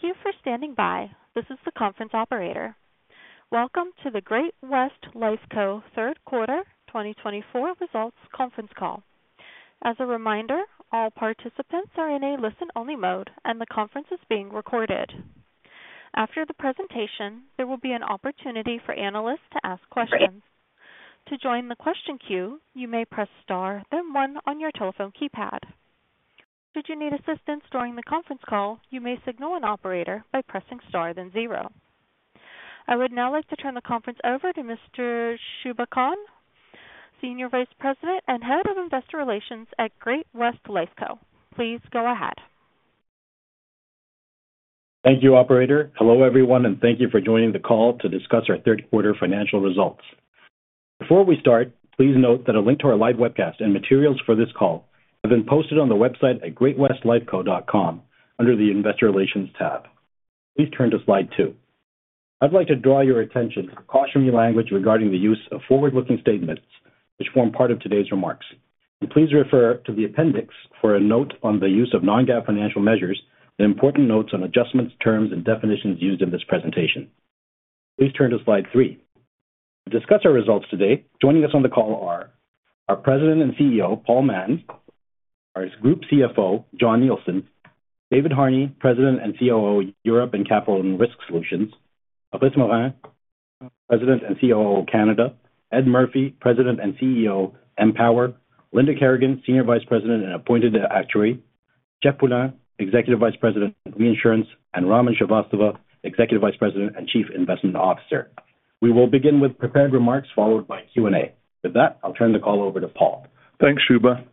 Thank you for standing by. This is the conference operator. Welcome to the Great-West Lifeco third quarter 2024 results conference call. As a reminder, all participants are in a listen-only mode and the conference is being recorded. After the presentation, there will be an opportunity for analysts to ask questions. To join the question queue, you may press star then one on your telephone keypad. Should you need assistance during the conference call, you may signal an operator by pressing star then zero. I would now like to turn the conference over to Mr. Shubha Khan, Senior Vice President and Head of Investor Relations at Great-West Lifeco. Please go ahead. Thank you, operator. Hello everyone and thank you for joining the call to discuss our third quarter financial results. Before we start, please note that a link to our live webcast and materials for this call have been posted on the website at greatwestlifeco.com under the Investor Relations tab. Please turn to slide 2. I'd like to draw your attention to cautionary language regarding the use of forward-looking statements which form part of today's remarks and please refer to the Appendix for a note on the use of non-GAAP financial measures and important notes on adjustments, terms and definitions used in this presentation. Please turn to slide three to discuss our results today. Joining us on the call, our President and CEO Paul Mahon, our Group CFO Jon Nielsen, David Harney, President and COO Europe and Capital and Risk Solutions, Fabrice Morin, President and COO Canada, Ed Murphy, President and CEO Empower, Linda Kerrigan, Senior Vice President and Appointed Actuary, Jeff Poulin, Executive Vice President, Reinsurance, and Raman Srivastava, Executive Vice President and Chief Investment Officer. We will begin with prepared remarks followed by Q and A. With that, I'll turn the call over to Paul. Thanks, Shubha.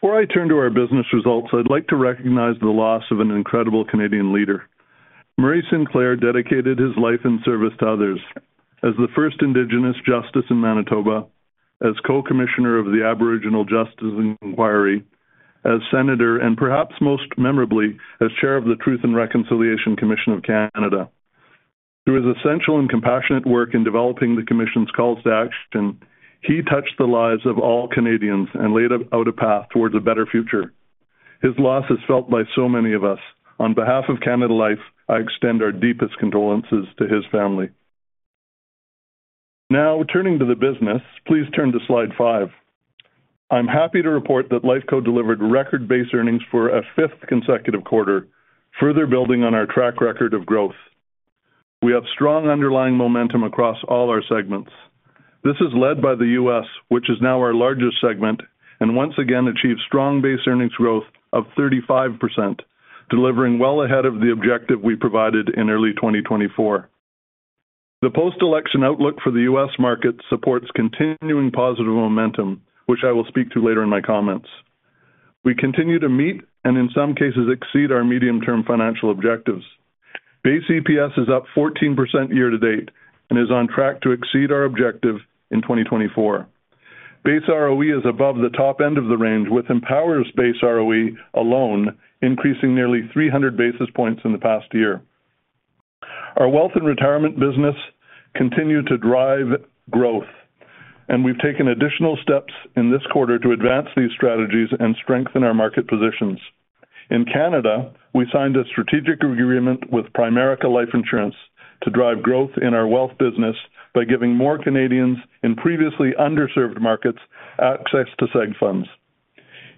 Before I turn to our business results, I'd like to recognize the loss of an incredible Canadian leader. Murray Sinclair dedicated his life and service to others as the first Indigenous justice in Manitoba, as co-commissioner of the Aboriginal Justice Inquiry, as Senator and perhaps most memorably as Chair of the Truth and Reconciliation Commission of Canada. Through his essential and compassionate work in developing the Commission's calls to action, he touched the lives of all Canadians and laid out a path towards a better future. His loss is felt by so many of us. On behalf of Canada Life, I extend our deepest condolences to his family. Now turning to the business, please turn to Slide 5. I'm happy to report that Lifeco delivered record base earnings for a fifth consecutive quarter. Further, building on our track record of growth, we have strong underlying momentum across all our segments. This is led by the US which is now our largest segment and once again achieved strong base earnings growth of 35%, delivering well ahead of the objective we provided in early 2024. The post election outlook for the US market supports continuing positive momentum which I will speak to later in my comments. We continue to meet and in some cases exceed our medium term financial objectives. Base EPS is up 14% year to date and is on track to exceed our objective in 2024. Base ROE is above the top end of the range with Empower's Base ROE alone increasing nearly 300 basis points in the past year. Our wealth and retirement business continue to drive growth and we've taken additional steps in this quarter to advance these strategies and strengthen our market position in Canada. We signed a strategic agreement with Primerica Life Insurance to drive growth in our wealth business by giving more Canadians in previously underserved markets access to seg funds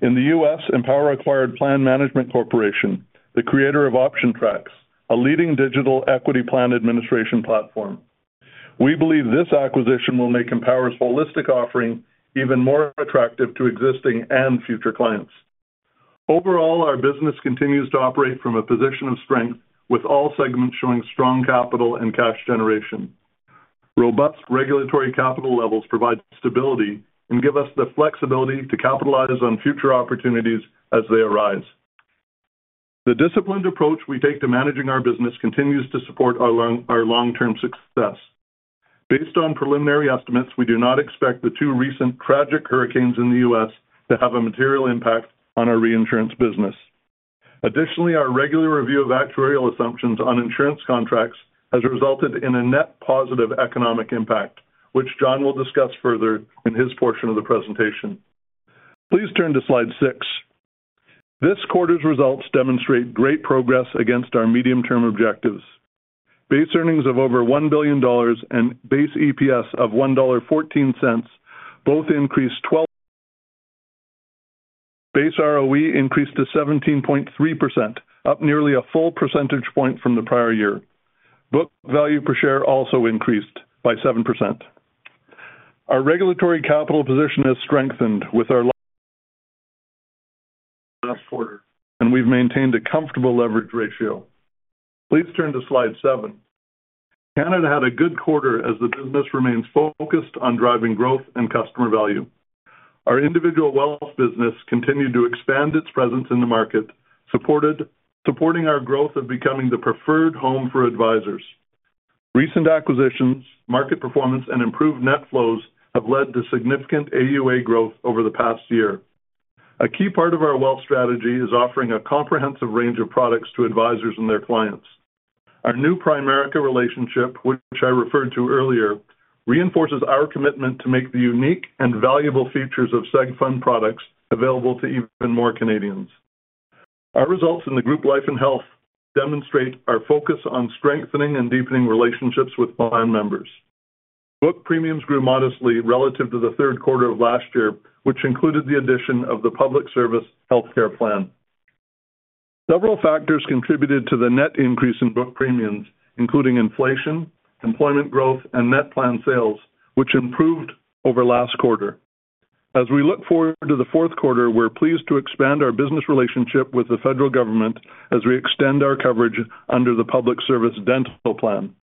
in the U.S. Empower acquired Plan Management Corporation, the creator of OptionTrax, a leading digital equity plan administration platform. We believe this acquisition will make Empower's holistic offering even more attractive to existing and future clients. Overall, our business continues to operate from a position of strength with all segments showing strong capital and cash generation. Robust regulatory capital levels provide stability and give us the flexibility to capitalize on future opportunities as they arise. The disciplined approach we take to managing our business continues to support our long-term success. Based on preliminary estimates, we do not expect the two recent tragic hurricanes in the U.S. to have a material impact on our reinsurance business. Additionally, our regular review of actuarial assumptions on insurance contracts has resulted in a net positive economic impact which Jon will discuss further in his portion of the presentation. Please turn to Slide 6. This quarter's results demonstrate great progress against our medium term objectives. Base earnings of over 1 billion dollars and base EPS of 1.14 dollar both increased 12%. Base ROE increased to 17.3%, up nearly a full percentage point from the prior year. Book value per share also increased by 7%. Our regulatory capital position has strengthened with our last quarter and we've maintained a comfortable leverage ratio. Please turn to Slide 7. Canada had a good quarter as the business remains focused on driving growth and customer value. Our individual wealth business continued to expand its presence in the market, supporting our growth of becoming the preferred home for advisors. Recent acquisitions, market performance and improved net flows have led to significant AUA growth over the past year. A key part of our wealth strategy is offering a comprehensive range of products to advisors and their clients. Our new Primerica relationship, which I referred to earlier, reinforces our commitment to make the unique and valuable features of seg funds products available to even more Canadians. Our results in the group life and health demonstrate our focus on strengthening and deepening relationships with plan members. Book premiums grew modestly relative to the third quarter of last year, which included the addition of the Public Service Health Care Plan. Several factors contributed to the net increase in book premiums including inflation, employment growth and net plan sales which improved over last quarter. As we look forward to the fourth quarter, we're pleased to expand our business relationship with the federal government as we extend our coverage under the Public Service Dental Plan.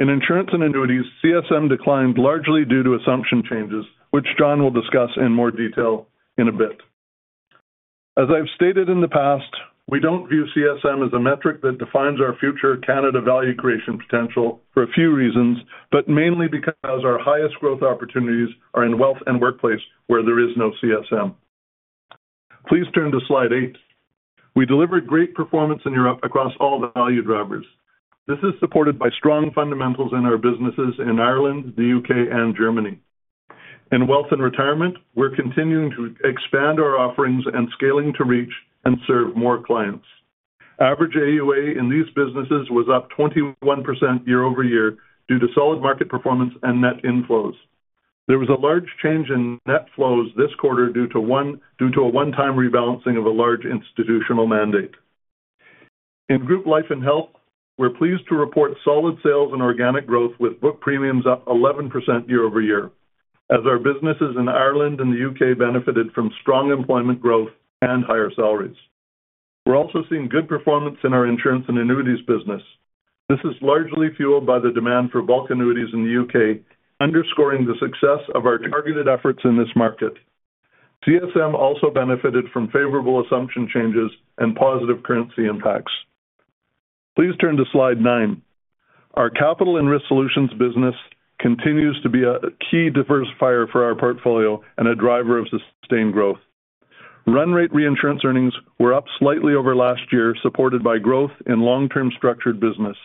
In insurance and annuities, CSM declined largely due to assumption changes, which Jon will discuss in more detail later in a bit. As I've stated in the past, we don't view CSM as a metric that defines our future Canada value creation potential for a few reasons, but mainly because our highest growth opportunities are in wealth and workplace where there is no CSM. Please turn to slide 8. We delivered great performance in Europe across all the value drivers. This is supported by strong fundamentals in our businesses in Ireland, the UK and Germany in wealth and retirement. We're continuing to expand our offerings and scaling to reach and serve more clients. Average AUA in these businesses was up 21% year over year due to solid market performance and net inflows. There was a large change in net flows this quarter due to a one-time rebalancing of a large institutional mandate in group life and health. We're pleased to report solid sales and organic growth with book premiums up 11% year over year as our businesses in Ireland and the UK benefited from strong employment growth and higher salaries. We're also seeing good performance in our insurance and annuities business. This is largely fueled by the demand for bulk annuities in the UK, underscoring the success of our targeted efforts in this market. CSM also benefited from favorable assumption changes and positive currency impacts. Please turn to Slide 9. Our capital and risk solutions business continues to be a key diversifier for our portfolio and a driver of sustained growth. Run rate reinsurance earnings were up slightly over last year supported by growth in long term structured business.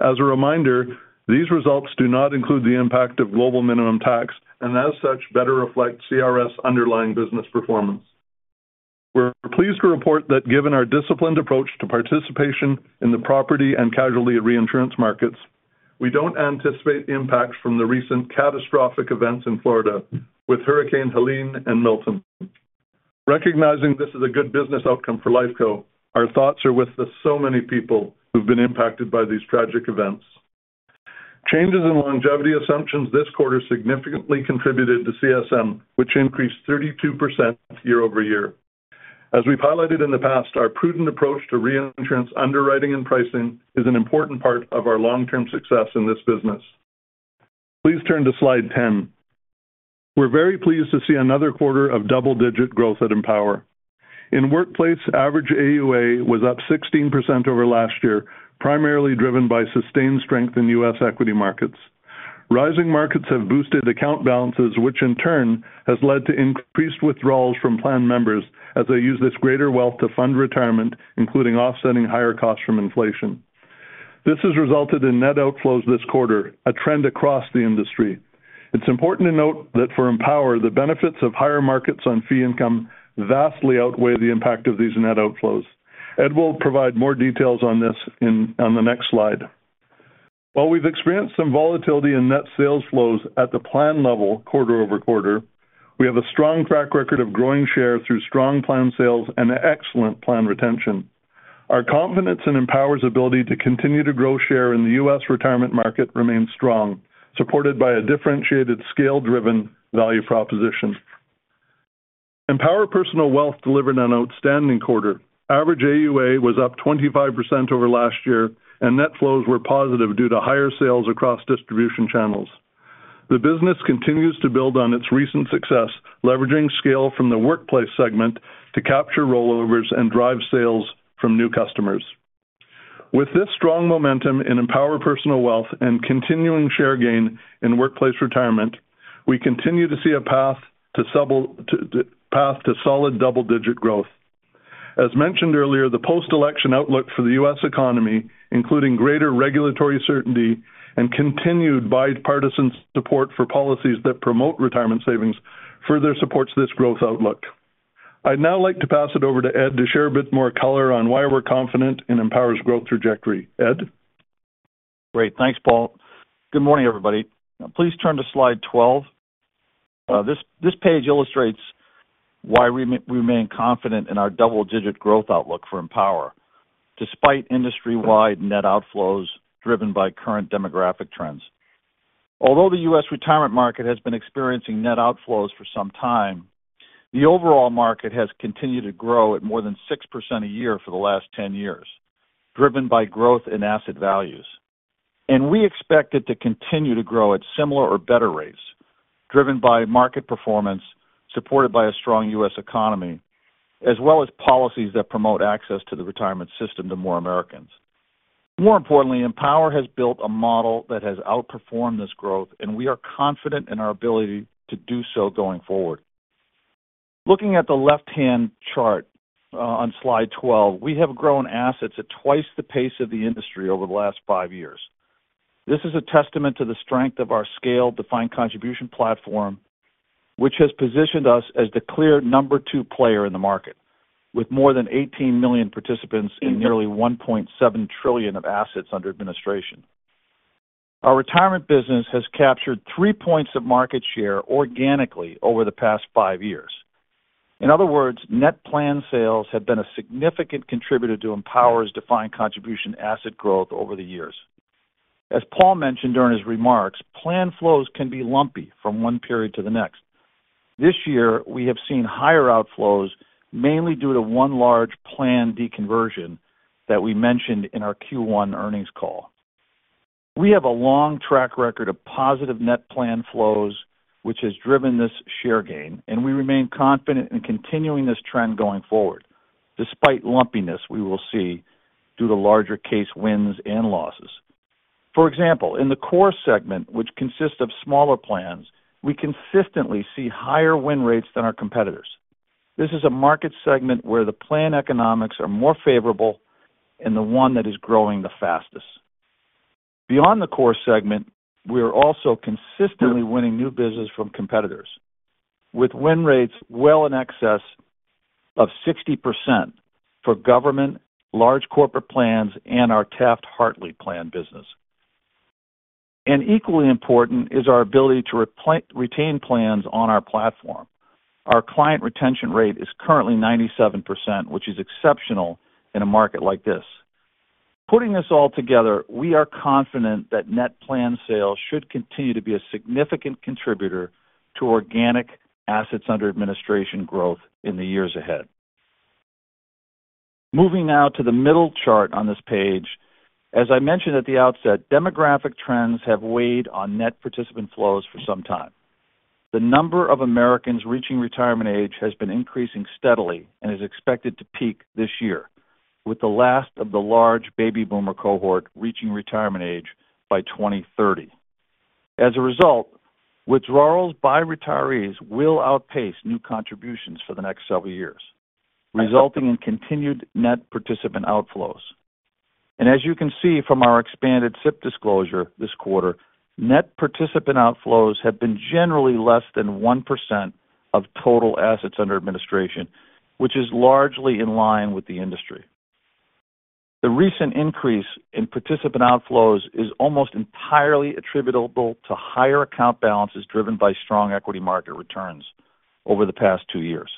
As a reminder, these results do not include the impact of global minimum tax and as such better reflect CRS underlying business performance. We're pleased to report that given our disciplined approach to participation and in the property and casualty reinsurance markets, we don't anticipate impacts from the recent catastrophic events in Florida with Hurricane Helene and Milton recognizing this is a good business outcome for lifeco. Our thoughts are with the so many people who've been impacted by these tragic events. Changes in longevity assumptions this quarter significantly contributed to CSM, which increased 32% year over year. As we've highlighted in the past, our prudent approach to reinsurance, underwriting and pricing is an important part of our long term success in this business. Please turn to slide 10. We're very pleased to see another quarter of double digit growth at Empower in workplace average AUA was up 16% over last year, primarily driven by sustained strength in U.S. equity markets. Rising markets have boosted account balances which in turn has led to increased withdrawals from plan members as they use this greater wealth to fund retirement, including offsetting higher costs from inflation. This has resulted in net outflows this quarter, a trend across the industry. It's important to note that for Empower, the benefits of higher markets on fee income vastly outweigh the impact of these net outflows. Ed will provide more details on this on the next slide. While we've experienced some volatility in net sales flows at the plan level quarter over quarter, we have a strong track record of growing share through strong plan sales and excellent plan retention. Our confidence in Empower's ability to continue to grow share in the U.S. Retirement market remains strong, supported by a differentiated scale-driven value proposition. Empower Personal Wealth delivered an outstanding quarter. Average AUA was up 25% over last year and net flows were positive due to higher sales across distribution channels. The business continues to build on its recent success, leveraging scale from the workplace segment to capture rollovers and drive sales from new customers. With this strong momentum in Empower Personal Wealth and continuing share gain in workplace retirement, we continue to see a path to several paths to solid double-digit growth. As mentioned earlier, the post-election outlook for the U.S. Economy, including greater regulatory certainty and continued bipartisan support for policies that promote retirement savings, further supports this growth outlook. I'd now like to pass it over to Ed to share a bit more color on why we're confident in Empower's growth trajectory. Ed. Great. Thanks Paul. Good morning everybody. Please turn to slide 12. This page illustrates why we remain confident in our double-digit growth outlook for Empower despite industry-wide net outflows driven by current demographic trends. Although the U.S. retirement market has been experiencing net outflows for some time, the overall market has continued to grow at more than 6% a year for the last 10 years driven by growth in asset values and we expect it to continue to grow at similar or better rates driven by market performance supported by a strong U.S. economy as well as policies that promote access to the retirement system to more Americans. More importantly, Empower has built a model that has outperformed this growth and we are confident in our ability to do so going forward. Looking at the left hand chart on Slide 12, we have grown assets at twice the pace of the industry over the last five years. This is a testament to the strength of our scale defined contribution platform which has positioned us as the clear number two player in the market. With more than 18 million participants in nearly 1.7 trillion of assets under administration, our retirement business has captured three points of market share organically over the past five years. In other words, net plan sales have been a significant contributor to Empower's defined contribution asset growth over the years. As Paul mentioned during his remarks, planned flows can be lumpy from one period to the next. This year we have seen higher outflows, mainly due to one large planned deconversion that we mentioned in our Q1 earnings call. We have a long track record of positive net plan flows, which has driven this share gain, and we remain confident in continuing this trend going forward despite lumpiness we will see due to larger case wins and losses. For example, in the core segment, which consists of smaller plans, we consistently see higher win rates than our competitors. This is a market segment where the plan economics are more favorable and the one that is growing the fastest. Beyond the core segment, we are also consistently winning new business from competitors with win rates well in excess of 60% for government, large corporate plans, and our Taft-Hartley plan business, and equally important is our ability to retain plans on our platform. Our client retention rate is currently 97%, which is exceptional in a market like this. Putting this all together, we are confident that net plan sales should continue to be a significant contributor to organic assets under administration growth in the years ahead. Moving now to the middle chart on this page, as I mentioned at the outset, demographic trends have weighed on net participant flows for some time. The number of Americans reaching retirement age has been increasing steadily and is expected to peak this year with the last of the large baby boomer cohort reaching retirement age by 2030. As a result, withdrawals by retirees will outpace new contributions for the next several years, resulting in continued net participant outflows, and as you can see from our expanded supp disclosure this quarter, net participant outflows have been generally less than 1% of total assets under administration, which is largely in line with the industry. The recent increase in participant outflows is almost entirely attributable to higher account balances driven by strong equity market returns over the past two years.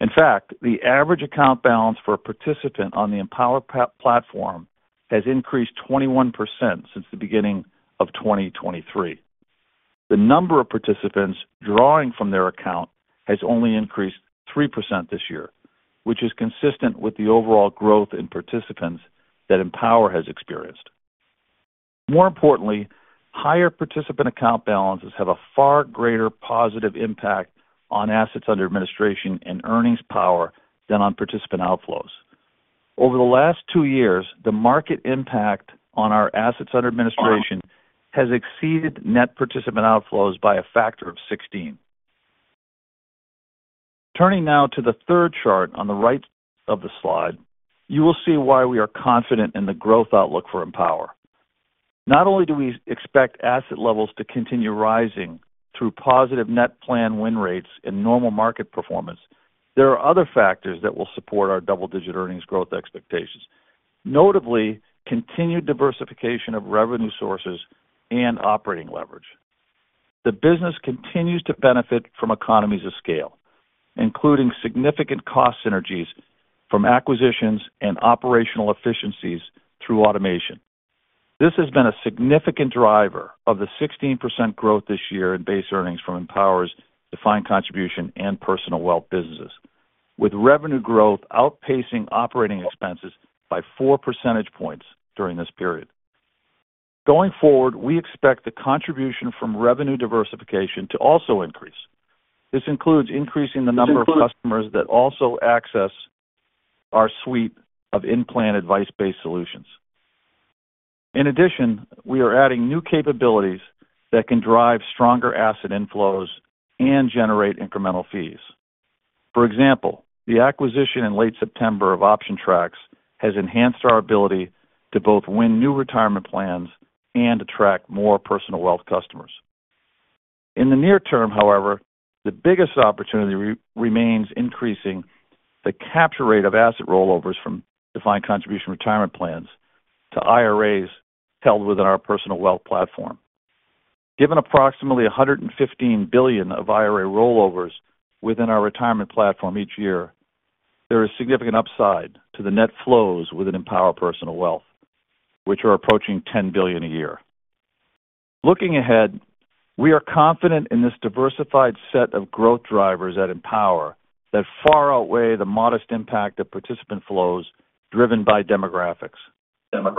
In fact, the average account balance for a participant on the Empower platform has increased 21% since the beginning of 2023. The number of participants drawing from their account has only increased 3% this year, which is consistent with the overall growth in participants that Empower has experienced. More importantly, higher participant account balances have a far greater positive impact on assets under administration and earnings power than on participant outflows. Over the last two years, the market impact on our assets under administration has exceeded net participant outflows by a factor of 16. Turning now to the third chart on the right of the slide, you will see why we are confident in the growth outlook for Empower. Not only do we expect asset levels to continue rising through positive net plan win rates and normal market performance, there are other factors that will support our double digit earnings growth expectations, notably continued diversification of revenue sources and operating leverage. The business continues to benefit from economies of scale, including significant cost synergies from acquisitions and operational efficiencies through automation. This has been a significant driver of the 16% growth this year in base earnings from Empower's defined contribution and personal wealth businesses with revenue growth outpacing operating expenses by 4 percentage points during this period. Going forward, we expect the contribution from revenue diversification to also increase. This includes increasing the number of customers that also access our suite of in plan advice based solutions. In addition, we are adding new capabilities that can drive stronger asset inflows and generate incremental fees. For example, the acquisition in late September of OptionTrax has enhanced our ability to both win new retirement plans and attract more personal wealth customers. In the near term, however, the biggest opportunity remains increasing the capture rate of asset rollovers from defined contribution retirement plans to IRAs held within our personal wealth platform. Given approximately $115 billion of IRA rollovers within our retirement platform each year, there is significant upside to the net flows within Empower Personal Wealth which are approaching $10 billion a year. Looking ahead, we are confident in this diversified set of growth drivers at Empower that far outweigh the modest impact of participant flows driven by demographics.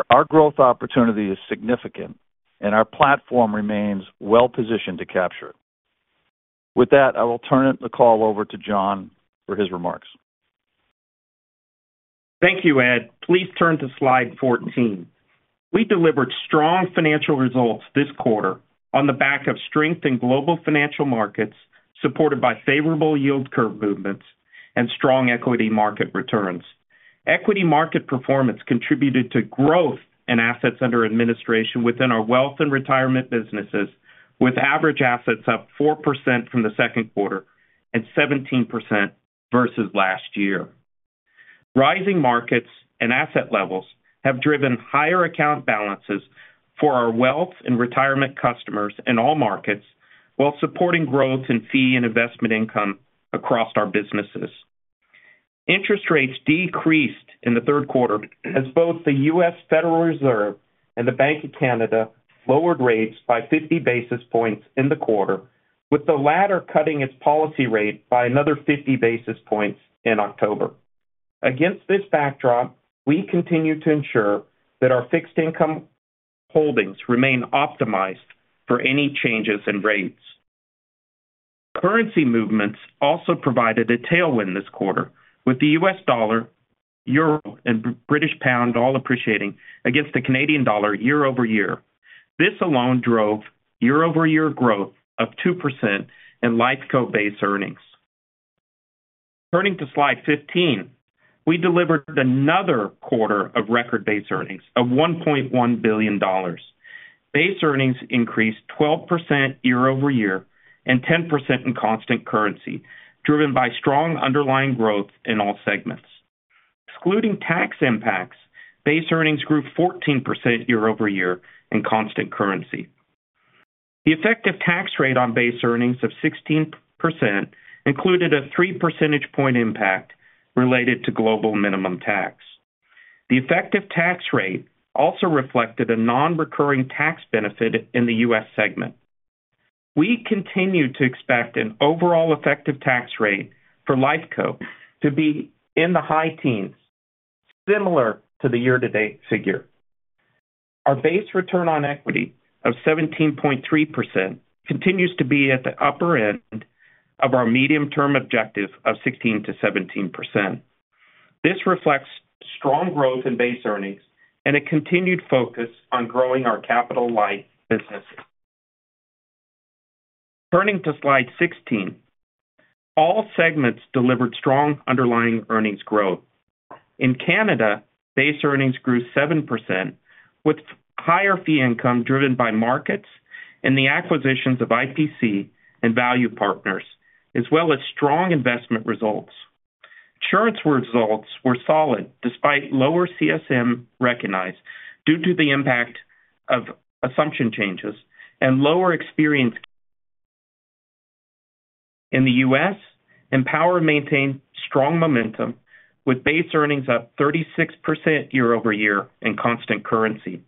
Our growth opportunity is significant and our platform remains well positioned to capture it. With that, I will turn the call over to Jon for his remarks. Thank you Ed. Please turn to slide 14. We delivered strong financial results this quarter on the back of strength in global financial markets supported by favorable yield curve movements and strong equity market returns. Equity market performance contributed to growth in assets under administration within our wealth and retirement businesses with average assets up 4% from the second quarter and 17% versus last year. Rising markets and asset levels have driven higher account balances for our wealth and retirement customers in all markets while supporting growth in fee and investment income across our businesses. Interest rates decreased in the third quarter as both the U.S. Federal Reserve and the Bank of Canada lowered rates by 50 basis points in the quarter, with the latter cutting its policy rate by another 50 basis points in October. Against this backdrop, we continue to ensure that our fixed income holdings remain optimized for any changes in rates. Currency movements also provided a tailwind this quarter with the U.S. dollar, euro and British pound all appreciating against the Canadian dollar year over year. This alone drove year over year growth of 2% in Lifeco base earnings. Turning to slide 15, we delivered another quarter of record base earnings of 1.1 billion dollars. Base earnings increased 12% year over year and 10% in constant currency driven by strong underlying growth in all segments excluding tax impacts. Base earnings grew 14% year over year in constant currency. The effective tax rate on base earnings of 16% included a 3 percentage point impact related to Global Minimum Tax. The effective tax rate also reflected a non-recurring tax benefit in the U.S. segment. We continue to expect an overall effective tax rate for Lifeco to be in the high teens similar to the year-to-date figure. Our base return on equity of 17.3% continues to be at the upper end of our medium-term objective of 16%-17%. This reflects strong growth in base earnings and a continued focus on growing our capital-light business. Turning to Slide 16, all segments delivered strong underlying earnings growth. In Canada, base earnings grew 7% with higher fee income driven by markets and the acquisitions of IPC and Value Partners as well as strong investment results. Insurance results were solid despite lower CSM recognized due to the impact of assumption changes and lower experience in the U.S. Empower maintained strong momentum with base earnings up 36% year over year in constant currency.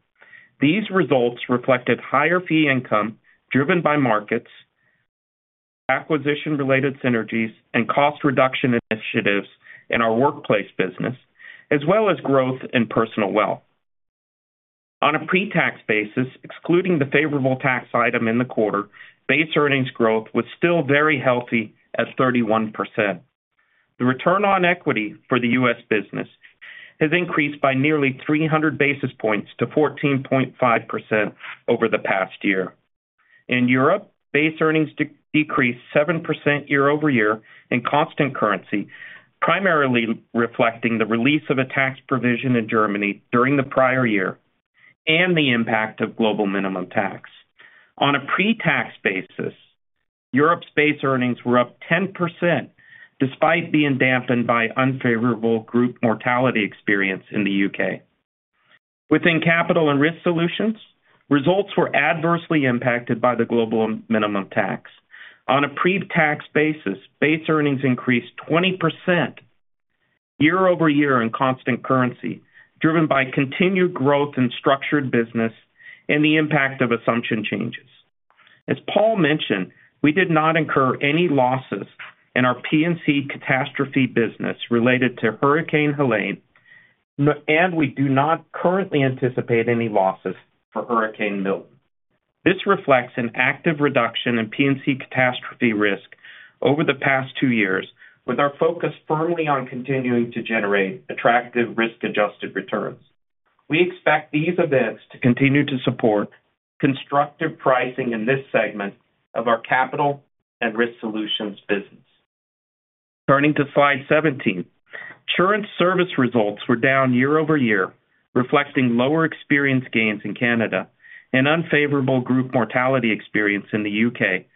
These results reflected higher fee income driven by markets, acquisition-related synergies and cost reduction initiatives in our workplace business as well as growth in personal wealth on a pre-tax basis. Excluding the favorable tax item in the quarter, base earnings growth was still very healthy at 31%. The return on equity for the U.S. business has increased by nearly 300 basis points to 14.5% over the past year. In Europe, Base Earnings decreased 7% year over year in constant currency, primarily reflecting the release of a tax provision in Germany during the prior year and the impact of Global Minimum Tax. On a pre-tax basis, Europe's Base Earnings were up 10% despite being dampened by unfavorable group mortality experience in the UK. Within Capital and Risk Solutions, results were adversely impacted by the Global Minimum Tax. On a pre-tax basis, Base Earnings increased 20% year over year in constant currency, driven by continued growth in Structured Business and the impact of assumption changes. As Paul mentioned, we did not incur any losses in our P&C catastrophe business related to Hurricane Helene and we do not currently anticipate any losses for Hurricane Milton. This reflects an active reduction in P&C catastrophe risk over the past two years. With our focus firmly on continuing to generate attractive risk adjusted returns. We expect these events to continue to support constructive pricing in this segment of our capital and risk solutions business. Turning to Slide 17, insurance service results were down year over year reflecting lower experience gains in Canada and unfavorable group mortality experience in the U.K.,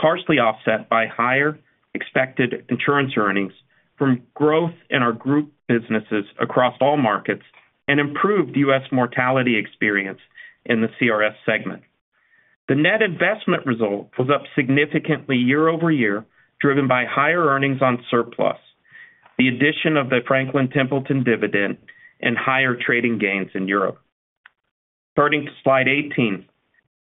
partially offset by higher expected insurance earnings from growth in our group businesses across all markets and improved U.S. mortality experience in the CRS segment. The net investment result was up significantly year over year driven by higher earnings on surplus, the addition of the Franklin Templeton dividend and higher trading gains in Europe. Turning to Slide 18,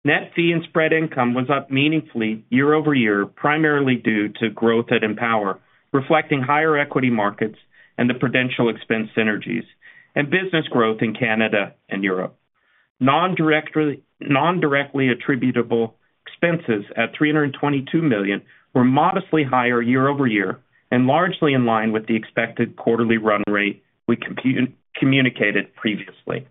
net fee and spread income was up meaningfully year over year primarily due to growth at Empower reflecting higher equity markets and the Prudential expense synergies and business growth in Canada and Europe. Non-directly attributable expenses at 322 million were modestly higher year over year and largely in line with the expected quarterly run rate we communicated previously.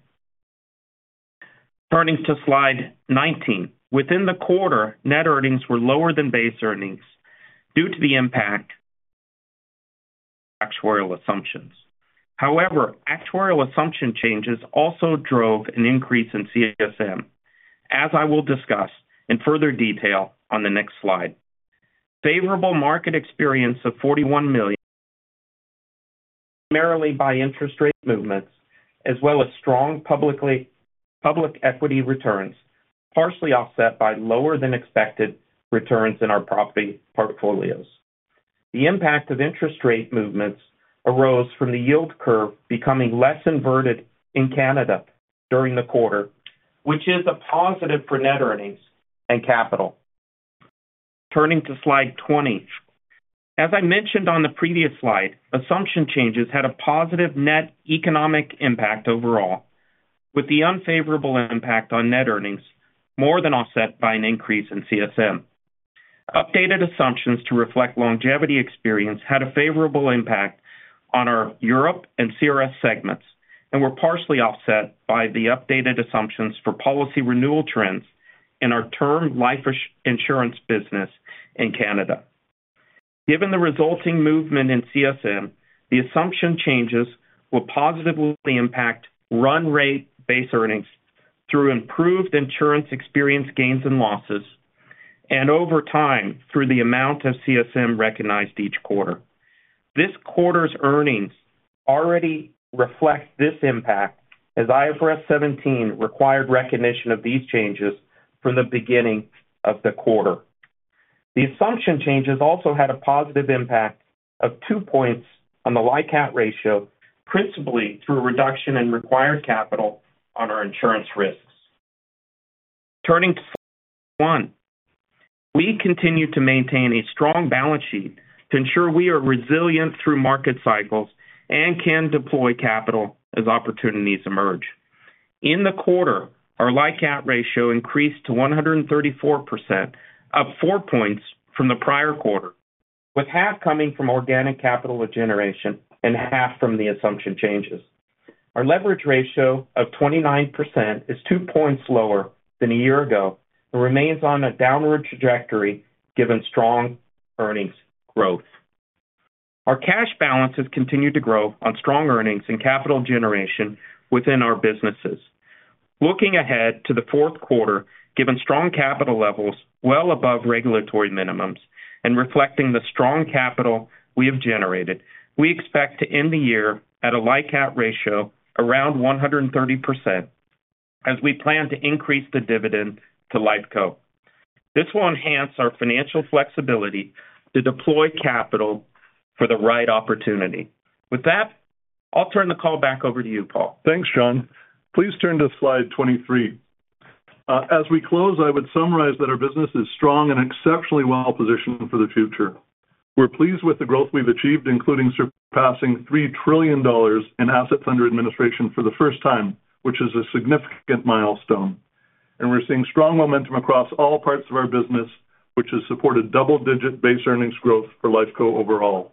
Turning to Slide 19, within the quarter, net earnings were lower than base earnings due to the impact of actuarial assumptions. However, actuarial assumption changes also drove an increase in CSM. As I will discuss in further detail on the next slide, favorable market experience of 41 million primarily by interest rate movements as well as strong public equity returns partially offset by lower than expected returns in our property portfolios. The impact of interest rate movements arose from the yield curve becoming less inverted in Canada during the quarter, which is a positive for net earnings and capital. Turning to slide 20 as I mentioned on the previous slide, assumption changes had a positive net economic impact overall with the unfavorable impact on net earnings more than offset by an increase in CSM. Updated assumptions to reflect longevity experience had a favorable impact on our Europe and CRS segments and were partially offset by the updated assumptions for policy renewal trends in our term life insurance business in Canada. Given the resulting movement in CSM, the assumption changes will positively impact run rate base earnings through improved insurance experience, gains and losses and over time through the amount of CSM recognized each quarter. This quarter's earnings already reflect this impact as IFRS 17 required recognition of these changes from the beginning of the quarter. The assumption changes also had a positive impact of 2 points on the LICAT ratio, principally through reduction in required capital on our insurance risks. Turning to Slide 1, we continue to maintain a strong balance sheet to ensure we are resilient through market cycles and can deploy capital as opportunities emerge. In the quarter, our LICAT ratio increased to 134% up 4 points from the prior quarter with half coming from organic capital generation and half from the assumption changes. Our leverage ratio of 29% is 2 points lower than a year ago and remains on a downward trajectory. Given strong earnings growth, our cash balance has continued to grow on strong earnings and capital generation within our businesses. Looking ahead to the fourth quarter, given strong capital levels, well above regulatory minimums and reflecting the strong capital we have generated, we expect to end the year at a LICAT ratio around 130% as we plan to increase the dividend to Lifeco. This will enhance our financial flexibility to deploy capital for the right opportunity. With that, I'll turn the call back over to you Paul. Thanks Jon. Please turn to Slide 23. As we close, I would summarize that our business is strong and exceptionally well positioned for the future. We're pleased with the growth we've achieved including passing $3 trillion in assets under administration for the first time, which is a significant milestone and we're seeing strong momentum across all parts of our business which has supported double digit base earnings growth for Lifeco overall.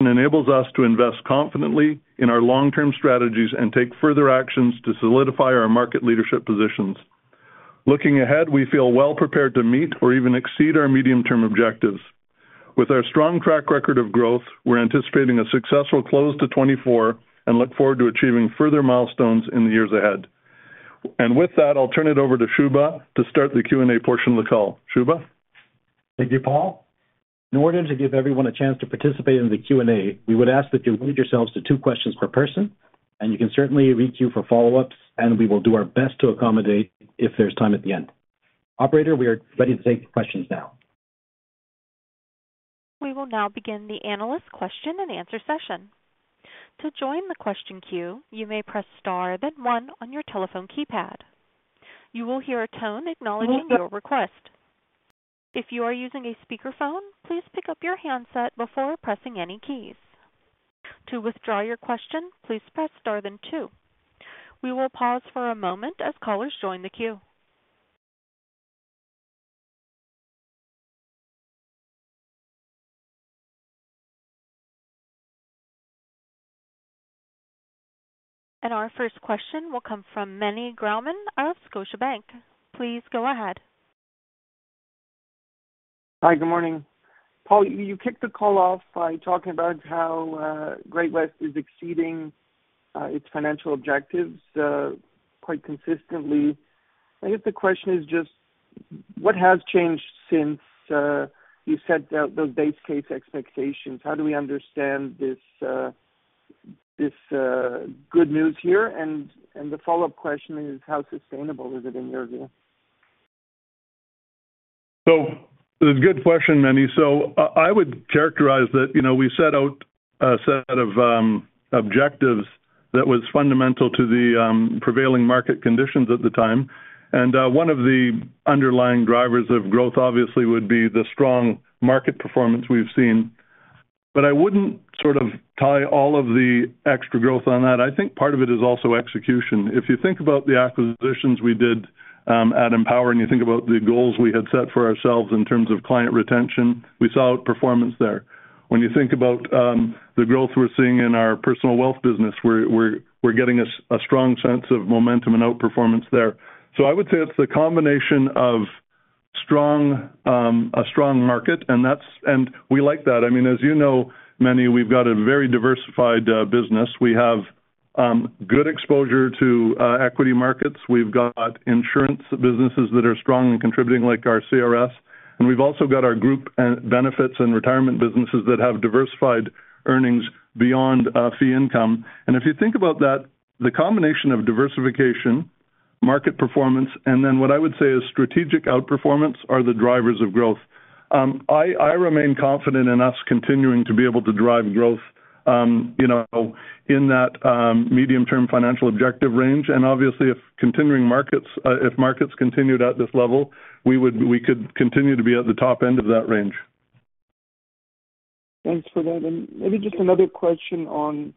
It enables us to invest confidently in our long term strategies and take further actions to solidify our market leadership positions. Looking ahead, we feel well prepared to meet or even exceed our medium term objectives. With our strong track record of growth, we're anticipating a successful close to 2024 and look forward to achieving further milestones in the years ahead. With that, I'll turn it over to Shubha to start the Q and A portion of the call. Shubha, thank you, Paul. In order to give everyone a chance to participate in the Q and A, we would ask that you limit yourselves to two questions per person, and you can certainly requeue for follow-ups, and we will do our best to accommodate if there's time at the end. Operator, we are ready to take questions now. We will now begin the analyst question and answer session. To join the question queue, you may press Star then one on your telephone keypad. You will hear a tone acknowledging your request. If you are using a speakerphone, please pick up your handset before pressing any keys. To withdraw your question, please press Star then two. We will pause for a moment as callers join the queue. And our first question will come from Meny Grauman of Scotiabank. Please go ahead. Hi, good morning, Paul. You kicked the call off by talking about how Great-West is exceeding its financial objectives quite consistently. I guess the question is just what has changed since you set those base case expectations? How do we understand this good news here, and the follow-up question is how sustainable is it in your view? Good question, Meny. I would characterize that we set out a set of objectives that was fundamental to the prevailing market conditions at the time. One of the underlying drivers of growth obviously would be the strong market performance we've seen. I wouldn't sort of tie all of the extra growth on that. I think part of it is also execution. If you think about the acquisitions we did at Empower and you think about the goals we had set for ourselves in terms of client retention, we saw outperformance there. When you think about the growth we're seeing in our personal wealth business, we're getting a strong sense of momentum and outperformance there. I would say it's the combination of a strong market, and we like that. I mean, as you know, Meny, we've got a very diversified business. We have good exposure to equity markets. We've got insurance businesses that are strong and contributing, like our CRS, and we've also got our group benefits and retirement businesses that have diversified earnings beyond fee income, and if you think about that, the combination of diversification, market performance, and then what I would say is strategic outperformance are the drivers of growth. I remain confident in us continuing to be able to drive growth in that medium term financial objective range, and obviously if continuing markets, if markets continued at this level, we could continue to be at the top end of that range. Thanks for that. And maybe just another question on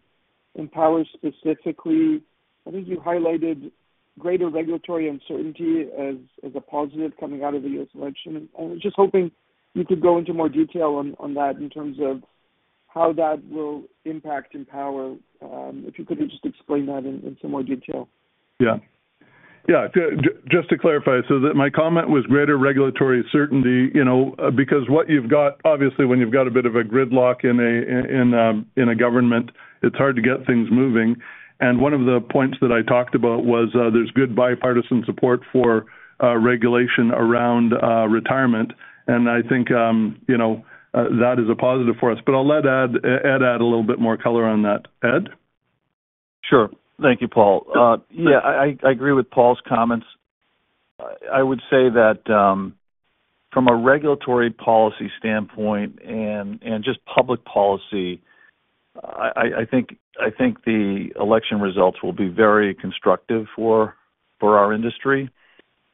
Empower specifically. I think you highlighted greater regulatory uncertainty as a positive coming out of the US election. I was just hoping you could go into more detail on that in terms of how that will impact Empower. If you could just explain that in some more detail. Yeah, yeah. Just to clarify, so that my comment was greater regulatory certainty, you know, because what you've got, obviously when you've got a bit of a gridlock in a government, it's hard to get things moving. And one of the points that I talked about was there's good bipartisan support for regulation around retirement. And I think, you know, that is a positive for us. But I'll let Ed add a little bit more color on that, Ed. Sure. Thank you, Paul. Yeah, I agree with Paul's comments. I would say that from a regulatory policy standpoint and just public policy, I think the election results will be very constructive for our industry.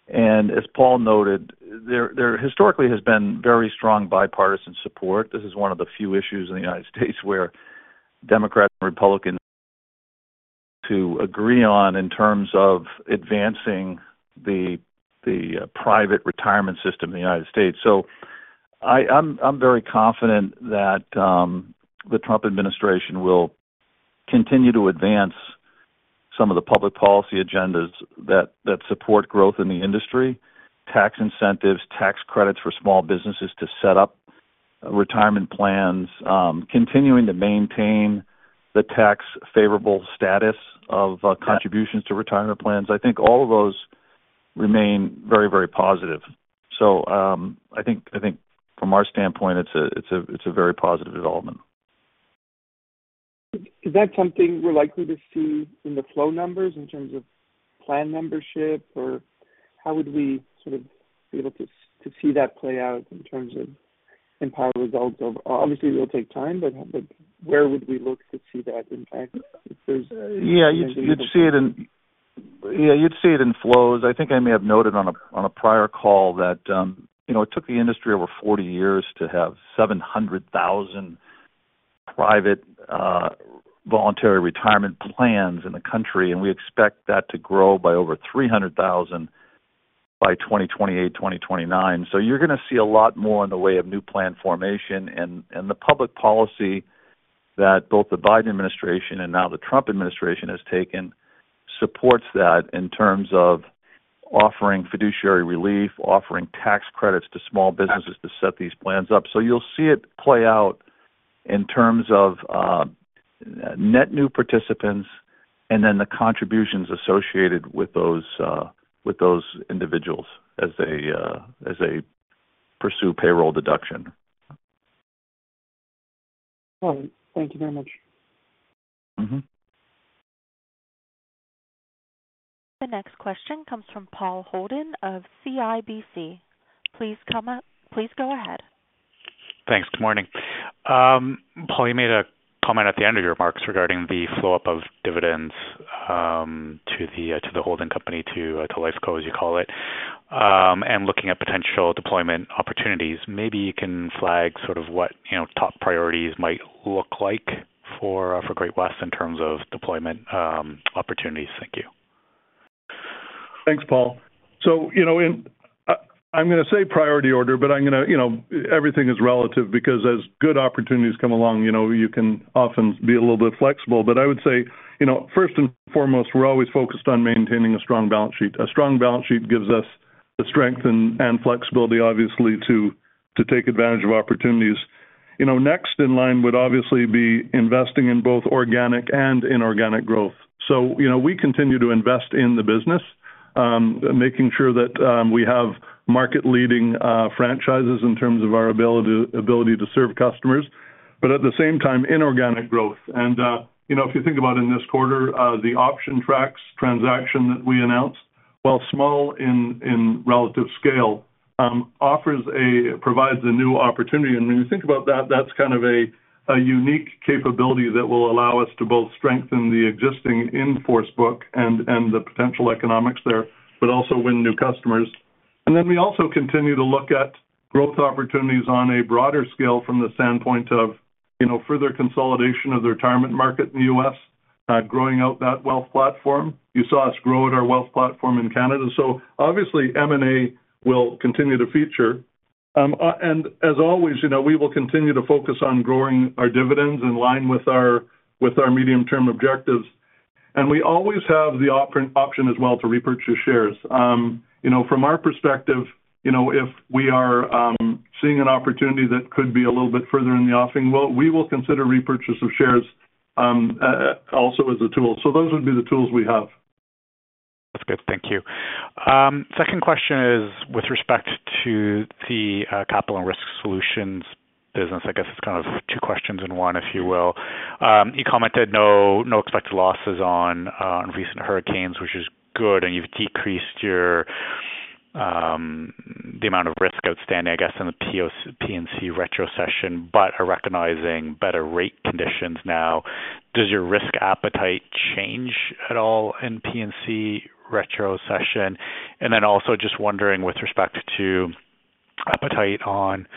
As Paul noted, there historically has been very strong bipartisan support. This is one of the few issues in the United States where Democrats and Republicans agree on in terms of advancing the private retirement system in the United States. So I'm very confident that the Trump administration will continue to advance some of the public policy agendas that support growth in the industry. Tax incentives, tax credits for small businesses to set up retirement plans, continuing to maintain the tax-favorable status of contributions to retirement plans. I think all of those remain very, very positive. So I think from our standpoint, it's a very positive development. Is that something we're likely to see in the flow numbers in terms of plan membership or how would we sort of be able to see that play out in terms of Empower results? Obviously, it will take time, but where would we look to see that impact? Yeah, you'd see it in flows. I think I may have noted on a prior call that it took the industry over 40 years to have 700,000 private voluntary retirement plans in the country. And we expect that to grow by over 300,000 by 2028, 2029. So you're going to see a lot more in the way of new plan formation and the public policy that both the Biden administration and now the Trump administration has taken supports that in terms of offering fiduciary relief, offering tax credits to small businesses to set these plans up. So you'll see it play out in terms of net new participants and then the contributions associated with those individuals as they pursue payroll deduction. Thank you very much. The next question comes from Paul Holden of CIBC. Please come up. Please go ahead. Thanks. Good morning, Paul. You made a comment at the end of your remarks regarding the flow up of dividends to the holding company, to Lifeco, as you call it, and looking at potential deployment opportunities. Maybe you can flag sort of what top priorities might look like for Great-West in terms of deployment opportunities. Thank you. Thanks, Paul. So, you know, I'm going to say priority order, but I'm going to, you know, everything is relative because as good opportunities come along, you know, you can often be a little bit flexible. But I would say, you know, first and foremost we're always focused on maintaining a strong balance sheet. A strong balance sheet gives us the strength and flexibility obviously to take advantage of opportunities. You know, next in line would obviously be investing in both organic and inorganic growth. So you know, we continue to invest in the business making sure that we have market leading franchises in terms of our ability to serve customers but at the same time inorganic growth. And you know, if you think about in this quarter the OptionTrax transaction that we announced while small in relative scale offers and provides a new opportunity and when you think about that, that's kind of a unique capability that will allow us to both strengthen the existing in force book and the potential economics there but also win new customers. And then we also continue to look at growth opportunities on a broader scale from the standpoint of further consolidation of the retirement market in the U.S. growing out that wealth platform you saw us grow out our wealth platform in Canada. So obviously M&A will continue to feature and as always we will continue to focus on growing our dividends in line with our medium term objectives. And we always have the option as well to repurchase shares. From our perspective, if we are seeing an opportunity that could be a little bit further in the offing, we will consider repurchase of shares also as a tool. So those would be the tools we have. That's good, thank you. Second question is with respect to the capital and risk solutions business. I guess it's kind of two questions in one if you will. You commented no, no expected losses on recent hurricanes, which is good, and you've decreased your the amount of risk outstanding I guess in the P&C retrocession. But are recognizing better rate conditions now? Does your risk appetite change at all in P&C retrocession? And then also just wondering with respect to appetite on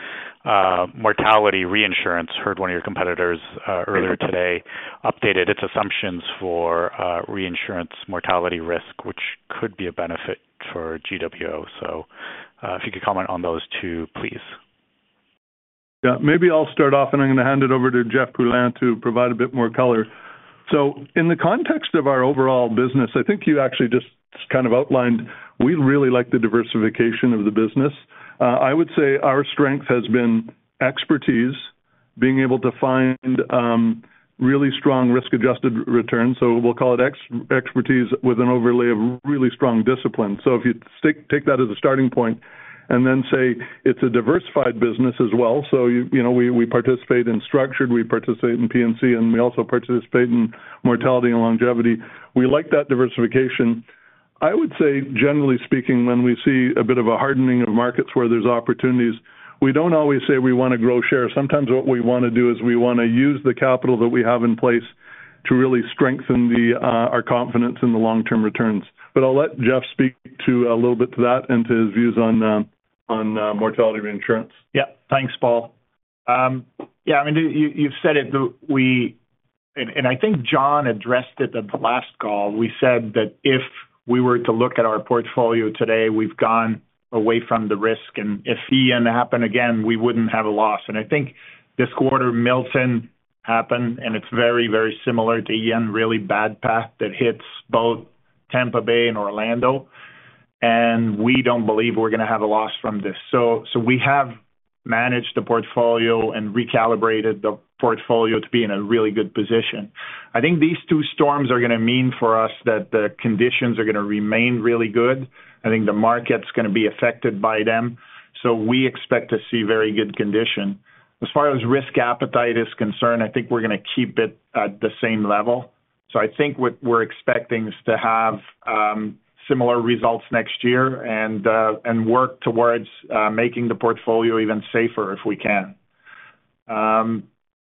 mortality reinsurance. Heard one of your competitors earlier today updated its assumptions for reinsurance mortality risk which could be a benefit for GWO. So if you could comment on those two please. Yeah, maybe I'll start off and I'm going to hand it over to Jeff Poulin to provide a bit more color. So in the context of our overall business, I think you actually just kind of outlined we really like the diversification of the business. I would say our strength has been expertise being able to find really strong risk adjusted returns. So we'll call it expertise with an overlay of really strong discipline. So if you take that as a starting point and then say it's a diversified business as well so you know, we participate in structured, we participate in P&C and we also participate in mortality and longevity. We like that diversification. I would say, generally speaking, when we see a bit of a hardening of markets where there's opportunities, we don't always say we want to grow share. Sometimes what we want to do is we want to use the capital that we have in place to really strengthen our confidence in the long term returns. But I'll let Jeff speak a little bit to that and to his views on mortality reinsurance. Yeah, thanks, Paul. Yeah, I mean, you've said it. We, and I think Jon addressed it at the last call. We said that if we were to look at our portfolio today, we've gone away from the risk and if Ian happened again, we wouldn't have a loss. I think this quarter Milton happened and it's very, very similar to Ian, really bad path that hits both Tampa Bay and Orlando and we don't believe we're going to have a loss from this. We have managed the portfolio and recalibrated the portfolio to be in a really good position. I think these two storms are going to mean for us that the conditions are going to remain really good. I think the market's going to be affected by them. We expect to see very good conditions as far as risk appetite is concerned. I think we're going to keep it at the same level. I think what we're expecting is to have similar results next year and work towards making the portfolio even safer if we can.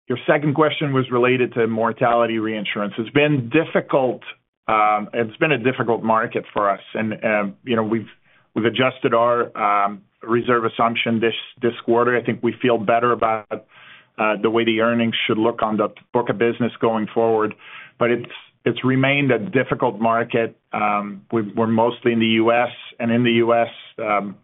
Your second question was related to mortality reinsurance. It's been difficult. It's been a difficult market for us and you know, we've adjusted our reserve assumption this quarter. I think we feel better about the way the earnings should look on the book of business going forward, but it's remained a difficult market. We're mostly in the U.S. and in the U.S.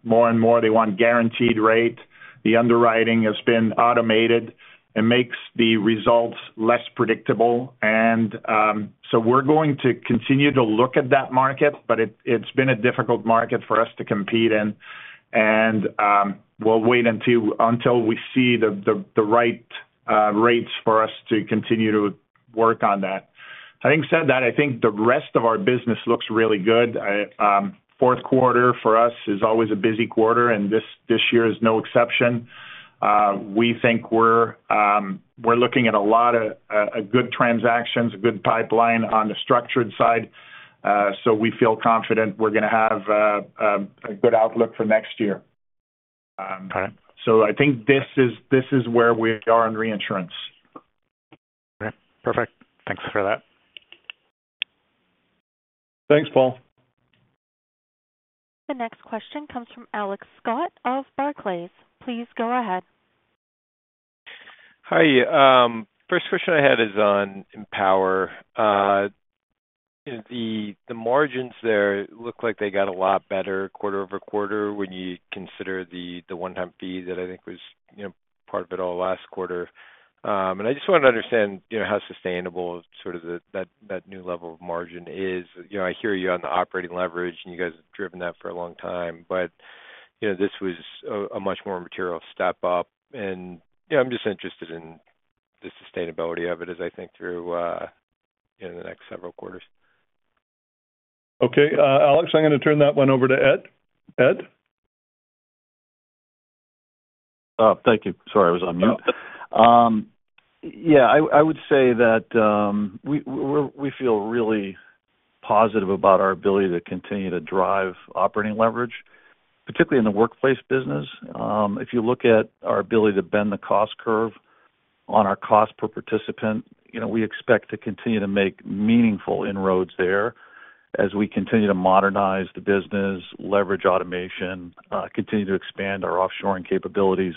more and more they want guaranteed rates. The underwriting has been automated and makes the results less predictable, and so we're going to continue to look at that market, but it's been a difficult market for us to compete in and we'll wait until we see the right rates for us to continue to work on that. Having said that, I think the rest of our business looks really good. Fourth quarter for us is always a busy quarter and this year is no exception. We think we're looking at a lot of good transactions, a good pipeline on the structured side. So we feel confident we're going to have a good outlook for next year. So I think this is where we are on reinsurance. Perfect. Thanks for that. Thanks, Paul. The next question comes from Alex Scott of Barclays. Please go ahead. Hi. First question I had is on Empower. The margins there look like they got a lot better quarter over quarter when you consider the one time fee that I think was part of it all last quarter. And I just wanted to understand how sustainable that new level of margin is. I hear you on the operating leverage and you guys have driven that for a long time, but this was a much more material step up and I'm just interested in the sustainability of it as I think through the next several quarters. Okay, Alex, I'm going to turn that one over to Ed. Thank you. Sorry, I was on mute. Yeah. I would say that we feel really positive about our ability to continue to drive operating leverage, particularly in the workplace business. If you look at our ability to bend the cost curve on our cost per participant, you know, we expect to continue to make meaningful inroads there as we continue to modernize the business, leverage automation, continue to expand our offshoring capabilities.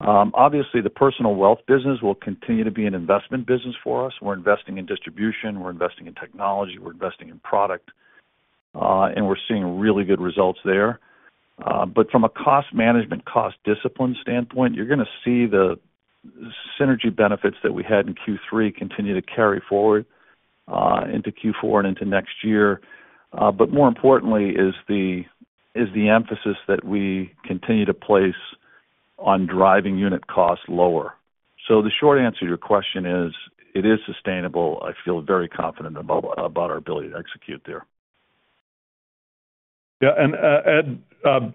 Obviously the personal wealth business will continue to be an investment business for us. We're investing in distribution, we're investing in technology, we're investing in product and we're seeing really good results there. But from a cost management cost discipline standpoint, you're going to see the synergy benefits that we had in Q3 continue to carry forward into Q4 and into next year. But more importantly is the emphasis that we continue to place on driving unit costs lower. So the short answer to your question is it is sustainable. I feel very confident about our ability to execute there. Yeah. And Ed,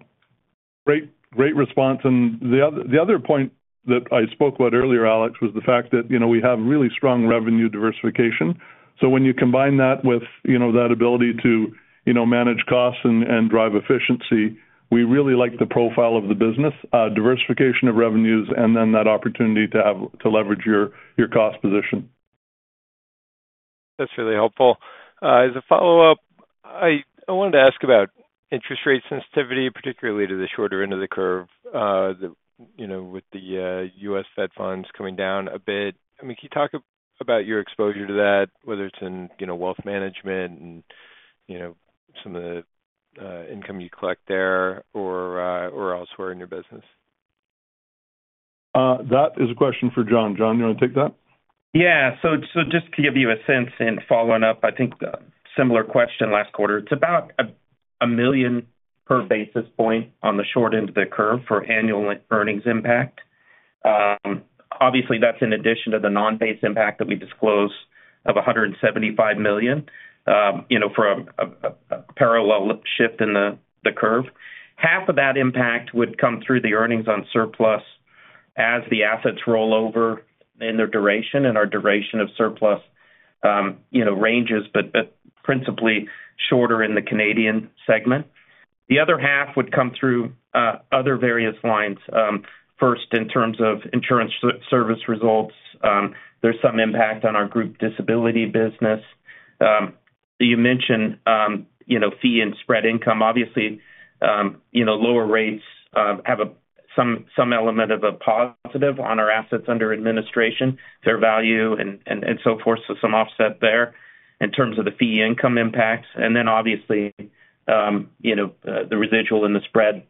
great response. And the other point that I spoke about earlier, Alex, was the fact that we have really strong revenue diversification. So when you combine that with that ability to manage costs and drive efficiency, we really like the profile of the business. Diversification of revenues and then that opportunity to leverage your cost position. That's really helpful. As a follow up, I wanted to ask about interest rate sensitivity, particularly to the shorter end of the curve with the U.S. Fed funds coming down a bit. Can you talk about your exposure to that, whether it's in wealth management and you know, some of the income you collect there or elsewhere in your business? That is a question for Jon. Jon, you want to take that? Yeah. So just to give you a sense, in following up, I think similar question last quarter, it's about a million per basis point on the short end of the curve for annual earnings impact. Obviously that's in addition to the non-base impact that we disclosed of 175 million. You know, from a parallel shift in the curve. Half of that impact would come through the earnings on surplus as the assets roll over in their duration and our duration of surplus ranges, but principally shorter in the Canadian segment. The other half would come through other various lines. First in terms of insurance service results. Second, there's some impact on our group disability business. You mentioned, you know, fee and spread income. Obviously, you know, lower rates have some element of a positive on our assets under administration, fair value and so forth. So some offset there in terms of the fee income impacts. And then obviously, you know, the residual and the spread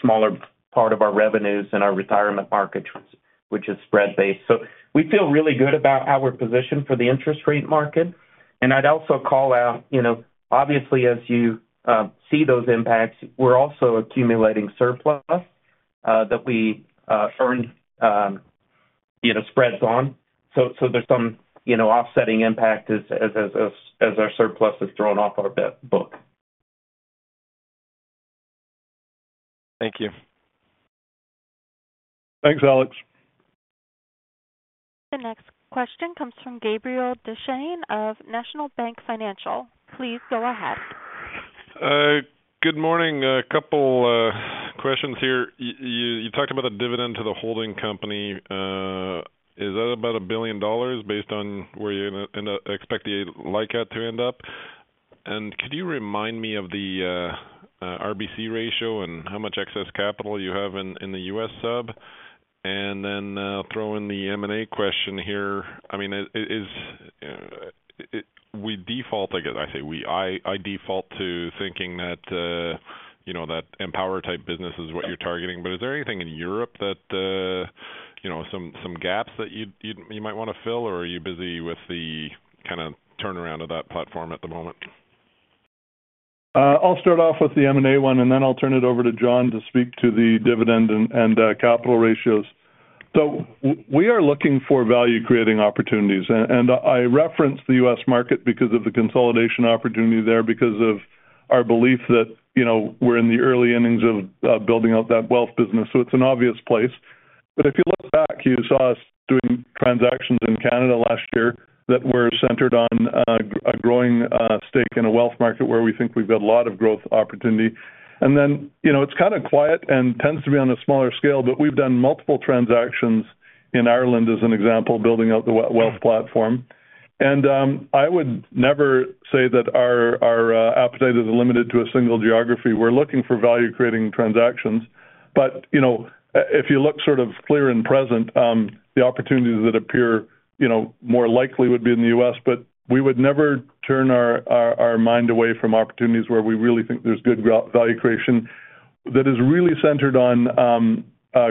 smaller part of our revenues and our retirement market transaction which is spread based. So we feel really good about our position for the interest rate market. And I'd also call out, you know, obviously as you see those impacts, we're also accumulating surplus that we earn, you know, spreads on. So there's some, you know, offsetting impact as our surplus is thrown off our book. Thank you. Thanks, Alex. The next question comes from Gabriel Dechaine of National Bank Financial. Please go ahead. Good morning. A couple questions here. You talked about the dividend to the holding company. Is that about 1 billion dollars based on where you expect the LICAT to end up? And could you remind me of the RBC ratio and how much excess capital you have in the U.S. sub and then throw in the M&A question here. I mean, we default, I guess I say we. I default to thinking that, you know, that Empower type business is what you're targeting. But is there anything in Europe that, you know, some gaps that you might want to fill or are you busy with the kind of turnaround of that platform at the moment? I'll start off with the M&A one and then I'll turn it over to Jon to speak to the dividend and capital ratios. So we are looking for value creating opportunities. And I reference the U.S. market because of the consolidation opportunity there, because of our belief that, you know, we're in the early innings of building out that wealth business. So it's an obvious place. But if you look back, you saw us doing transactions in Canada last year that were centered on a growing stake in a wealth market where we think we've got a lot of growth opportunity and then, you know, it's kind of quiet and tends to be on a smaller scale. But we've done multiple transactions in Ireland as an example, building out the wealth platform. And I would never say that our appetite is limited to a single geography. We're looking for value creating transactions. But, you know, if you look sort of clear and present, the opportunities that appear, you know, more likely would be in the U.S. but we would never turn our mind away from opportunities where we really think there's good value creation that is really centered on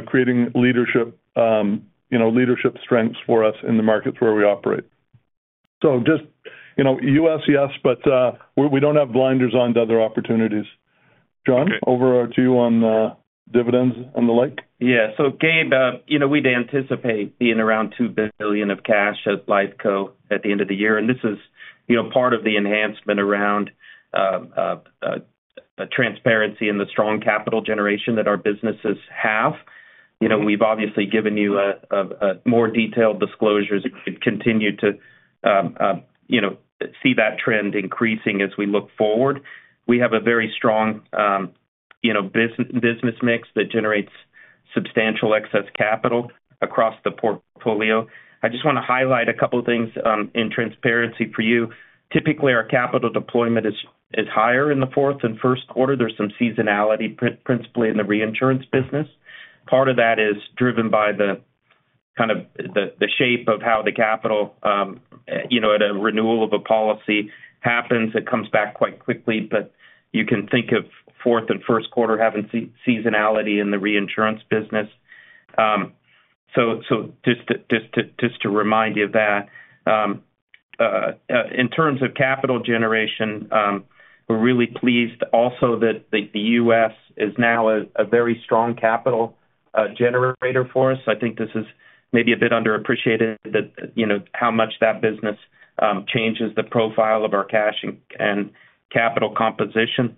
creating leadership, you know, leadership strengths for us in the markets where we operate. So just, you know, us. Yes, but we don't have blinders onto other opportunities. Jon, over to you on dividends and the like. Yeah. So, Gabe, you know, we'd anticipate being around 2 billion of cash at Great-West Lifeco at the end of the year. And this is, you know, part of the enhancement around transparency and the strong capital generation that our businesses have, you know, we've obviously given you more detailed disclosures, continue to, you know, see that trend increasing as we look forward. We have a very strong, you know, business mix that generates substantial excess capital across the portfolio. I just want to highlight a couple of things in transparency for you. Typically, our capital deployment is higher in the fourth and first quarter. There's some seasonality, principally in the reinsurance business. Part of that is driven by the kind of the shape of how the capital, you know, at a renewal of a policy happens. It comes quite quickly. But you can think of fourth and first quarter having seasonality in the reinsurance business. So just to remind you of that, in terms of capital generation, we're really pleased also that the US is now a very strong capital generator for us. I think this is maybe a bit underappreciated that, you know, how much that business changes the profile of our cash and capital composition.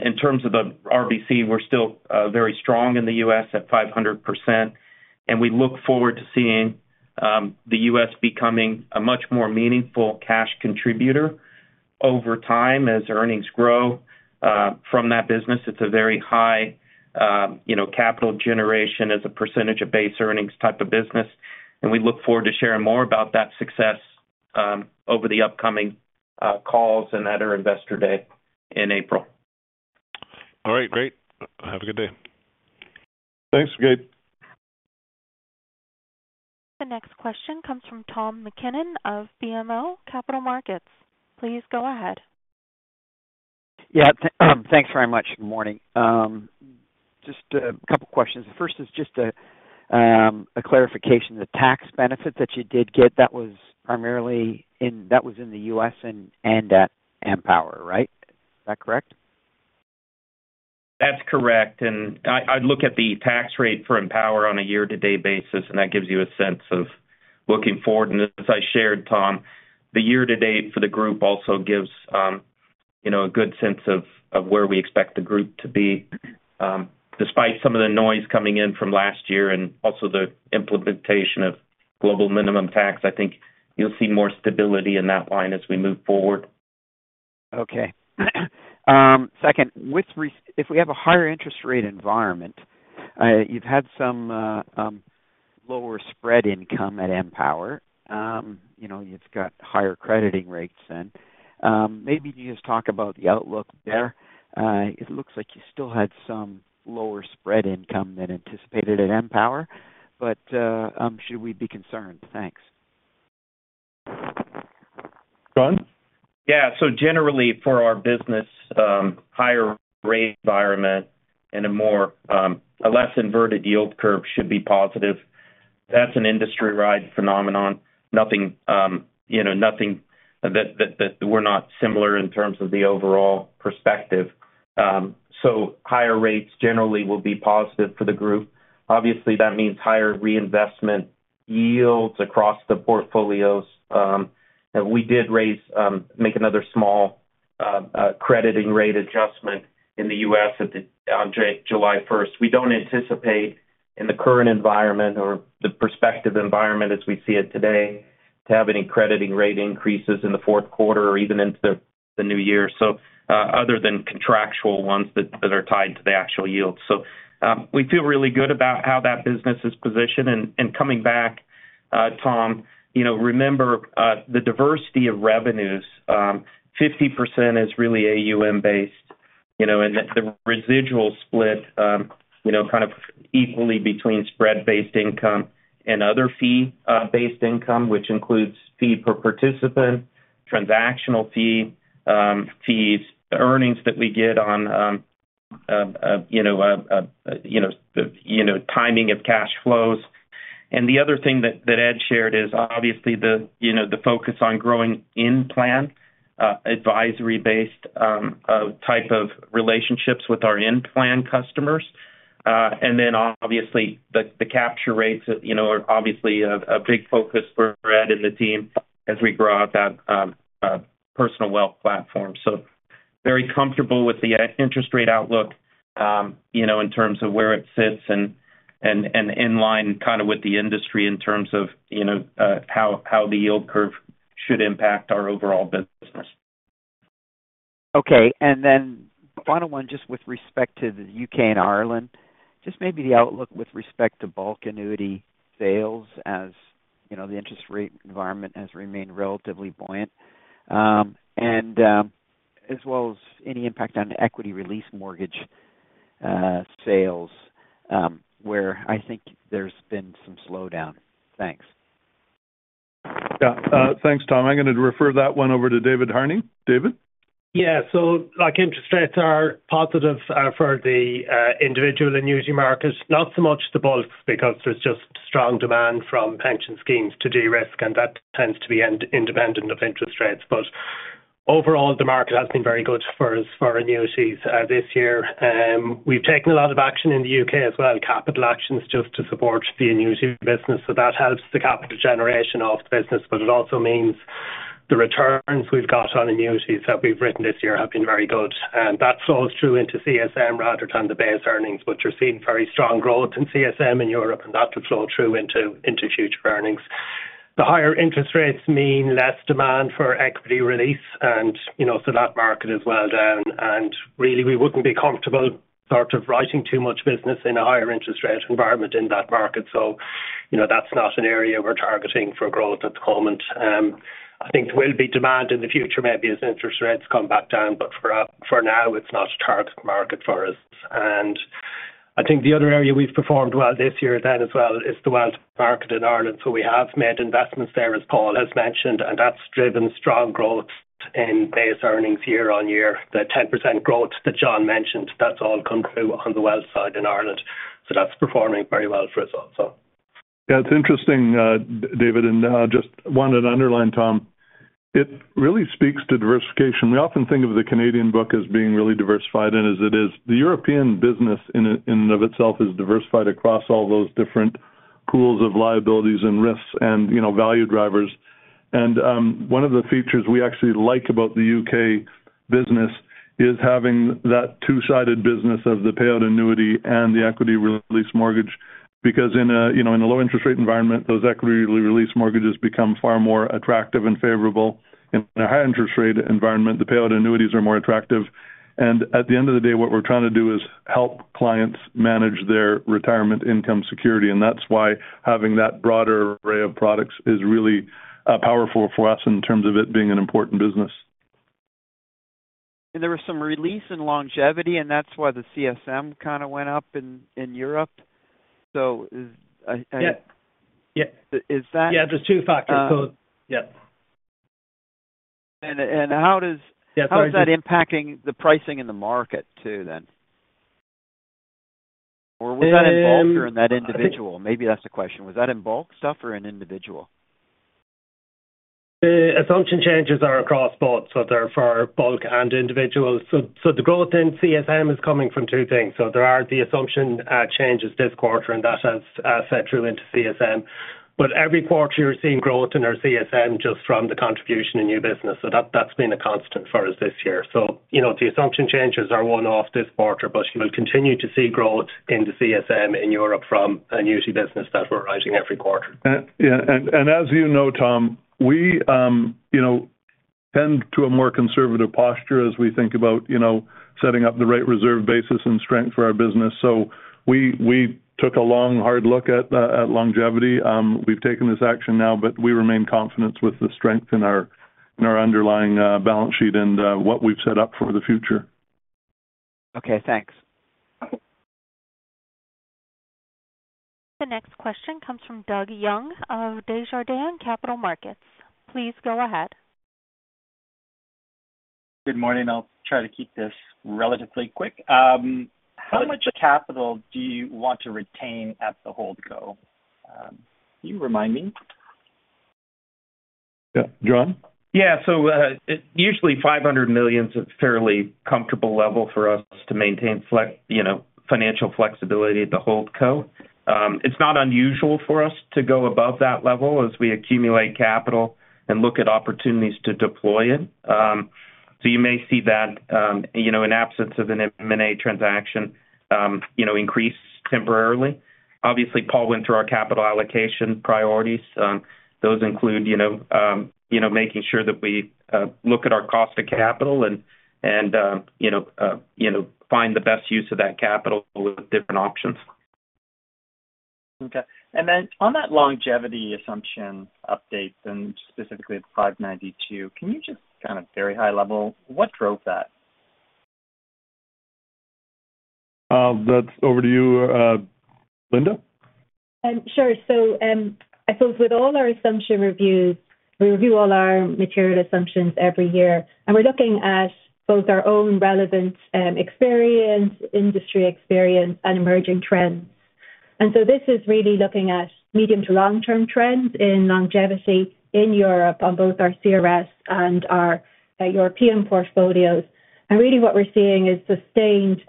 In terms of the RBC, we're still very strong in the US at 500%. And we look forward to seeing the US becoming a much more meaningful cash contributor over time as earnings grow from that business. It's a very high capital generation as a percentage of base earnings type of business. And we look forward to sharing more about that success over the upcoming calls and at our investor day in April. All right, great. Have a good day. Thanks, Gabe. The next question comes from Tom McKinnon of BMO Capital Markets. Please go ahead. Yeah, thanks very much. Good morning. Just a couple questions. The first is just a clarification. The tax benefit that you did get, that was primarily in. That was in the U.S. and at Empower. Right. Is that correct? That's correct. And I look at the tax rate for Empower on a year to date basis, and that gives you a sense of looking forward. And as I shared, Tom, the year to date for the group also gives a good sense of where we expect the group to be despite some of the noise coming in from last year and also the implementation of Global Minimum Tax. I think you'll see more stability in that line as we move forward. Okay. Second, if we have a higher interest rate environment, you've had some lower spread income at Empower, you know, you've got higher crediting rates and maybe you just talk about the outlook there. It looks like you still had some lower spread income than anticipated at Empower. But should we be concerned? Thanks. Jon. Yeah. So generally for our business, higher rate environment and a more, a less inverted yield curve should be positive. That's an industry-wide phenomenon. Nothing, you know, nothing that we're not similar in terms of the overall perspective. So higher rates generally will be positive for the group. Obviously that means higher reinvestment yields across the portfolios. We did make another small crediting rate adjustment in the U.S. on July 1st. We don't anticipate in the current environment or the prospective environment as we see it today, to have any crediting rate increases in the fourth quarter or even into the new year. So other than contractual ones that are tied to the actual yield. So we feel really good about how that business is positioned and coming back. Tom, you know, remember the diversity of revenues. 50% is really AUM based and the residual split kind of equally between spread-based income and other fee-based income, which includes fee per participant, transactional fees, earnings that we get on timing of cash flows. And the other thing that Ed shared is obviously the focus on growing in planning advisory-based type of relationships with our in-plan customers. And then obviously the capture rates, you know, are obviously a big focus for Brad and the team as we grow out that personal wealth platform. So very comfortable with the interest rate outlook, you know, in terms of where it sits and in line kind of with the industry in terms of, you know, how the yield curve should impact our overall business. Okay, and then final one, just with respect to the U.K. and Ireland, just maybe the outlook with respect to bulk annuity sales, as you know, the interest rate environment has remained relatively buoyant and as well as any impact on equity release mortgage sales where I think there's been some slowdown. Thanks. Thanks Tom. I'm going to refer that one over to David Harney. David? Yeah, so like interest rates are positive for the individual annuity market, not so much the bulk because there's just strong demand from pension schemes to de-risk and that tends to be independent of interest rates. But overall the market has been very good for us for annuities this year. We've taken a lot of action in the U.K. as well, capital actions just to support the annuity business. So that helps the capital generation of the business. But it also means the returns we've got on annuities that we've written this year have been very good and that flows through into CSM rather than the base earnings. But you're seeing very strong growth in CSM in Europe and that will flow through into future earnings. The higher interest rates mean less demand for equity release and you know, so that market is well down and really we wouldn't be comfortable sort of writing too much business in a higher interest rate environment in that market. So you know, that's not an area we're targeting for growth at the moment. I think there will be demand in the future maybe as interest rates come back down, but for now it's not a target market for us, and I think the other area we've performed well this year then as well is the wealth market in Ireland. So we have made investments there, as Paul has mentioned, and that's driven strong growth in base earnings year on year. The 10% growth that Jon mentioned, that's all come through on the wealth side in Ireland. So that's performing very well for us also. Yeah, it's interesting David, and just wanted to underline Tom. It really speaks to diversification. We often think of the Canadian book as being really diversified. And as it is, the European business in and of itself is diversified across all those different pools of liabilities and risks and you know, value drivers. And one of the features we actually like about the UK business is having that two-sided business of the payout annuity and the equity release mortgage. Because in a low interest rate environment, those equity release mortgages become far more attractive and favorable. In a high interest rate environment, the payout annuities are more attractive. At the end of the day what we're trying to do is help clients manage their retirement income security and that's why having that broader array of products is really powerful for us in terms of it being an important business. And there was some release in longevity and that's why the CSM kind of went up in Europe. So. Yeah, yeah. Is that. Yeah, there's two factors. Yep. How does that impacting the pricing in the market too then? Or was that involved during that individual? Maybe that's the question. Was that in bulk stuff or in individual? The assumption changes are across both. So they're for bulk and individual. So the growth in CSM is coming from two things. So there are the assumption changes this quarter and that has fed through into CSM. But every quarter you're seeing growth in our CSM just from the contribution in new business. So that's been a constant for us this year. So you know, the assumption changes are one off this quarter. But you will continue to see growth in the CSM in Europe from a new business that we're writing every quarter. And as you know Tom, we tend to a more conservative posture as we think about, you know, setting up the right reserve basis and strength for our business. So we took a long hard look at longevity. We've taken this action now, but we remain confident with the strength in our underlying balance sheet and what we've set up for the future. Okay, thanks. The next question comes from Doug Young of Desjardins Capital Markets. Please go ahead. Good morning. I'll try to keep this relatively quick. How much capital do you want to retain at the Holdco? Can you remind me? Jon? Yeah. So usually 500 million is a fairly comfortable level for us to maintain financial flexibility at the Holdco. It's not unusual for us to go above that level as we accumulate capital and look at opportunities to deploy it. So you may see that in absence of an M&A transaction increase temporarily. Obviously Paul went through our capital allocation priorities. Those include making sure that we look at our cost of capital and find the best use of that capital with different options. And then on that longevity assumption updates and specifically 592. Can you just kind of very high level. What drove that? That's over to you, Linda. Sure. So I suppose with all our assumption reviews we review all our material assumptions every year and we're looking at both our own relevant experience, industry experience and emerging trends. And so this is really looking at medium- to long-term trends in longevity in Europe on both our CRS and our European portfolios. And really what we're seeing is sustained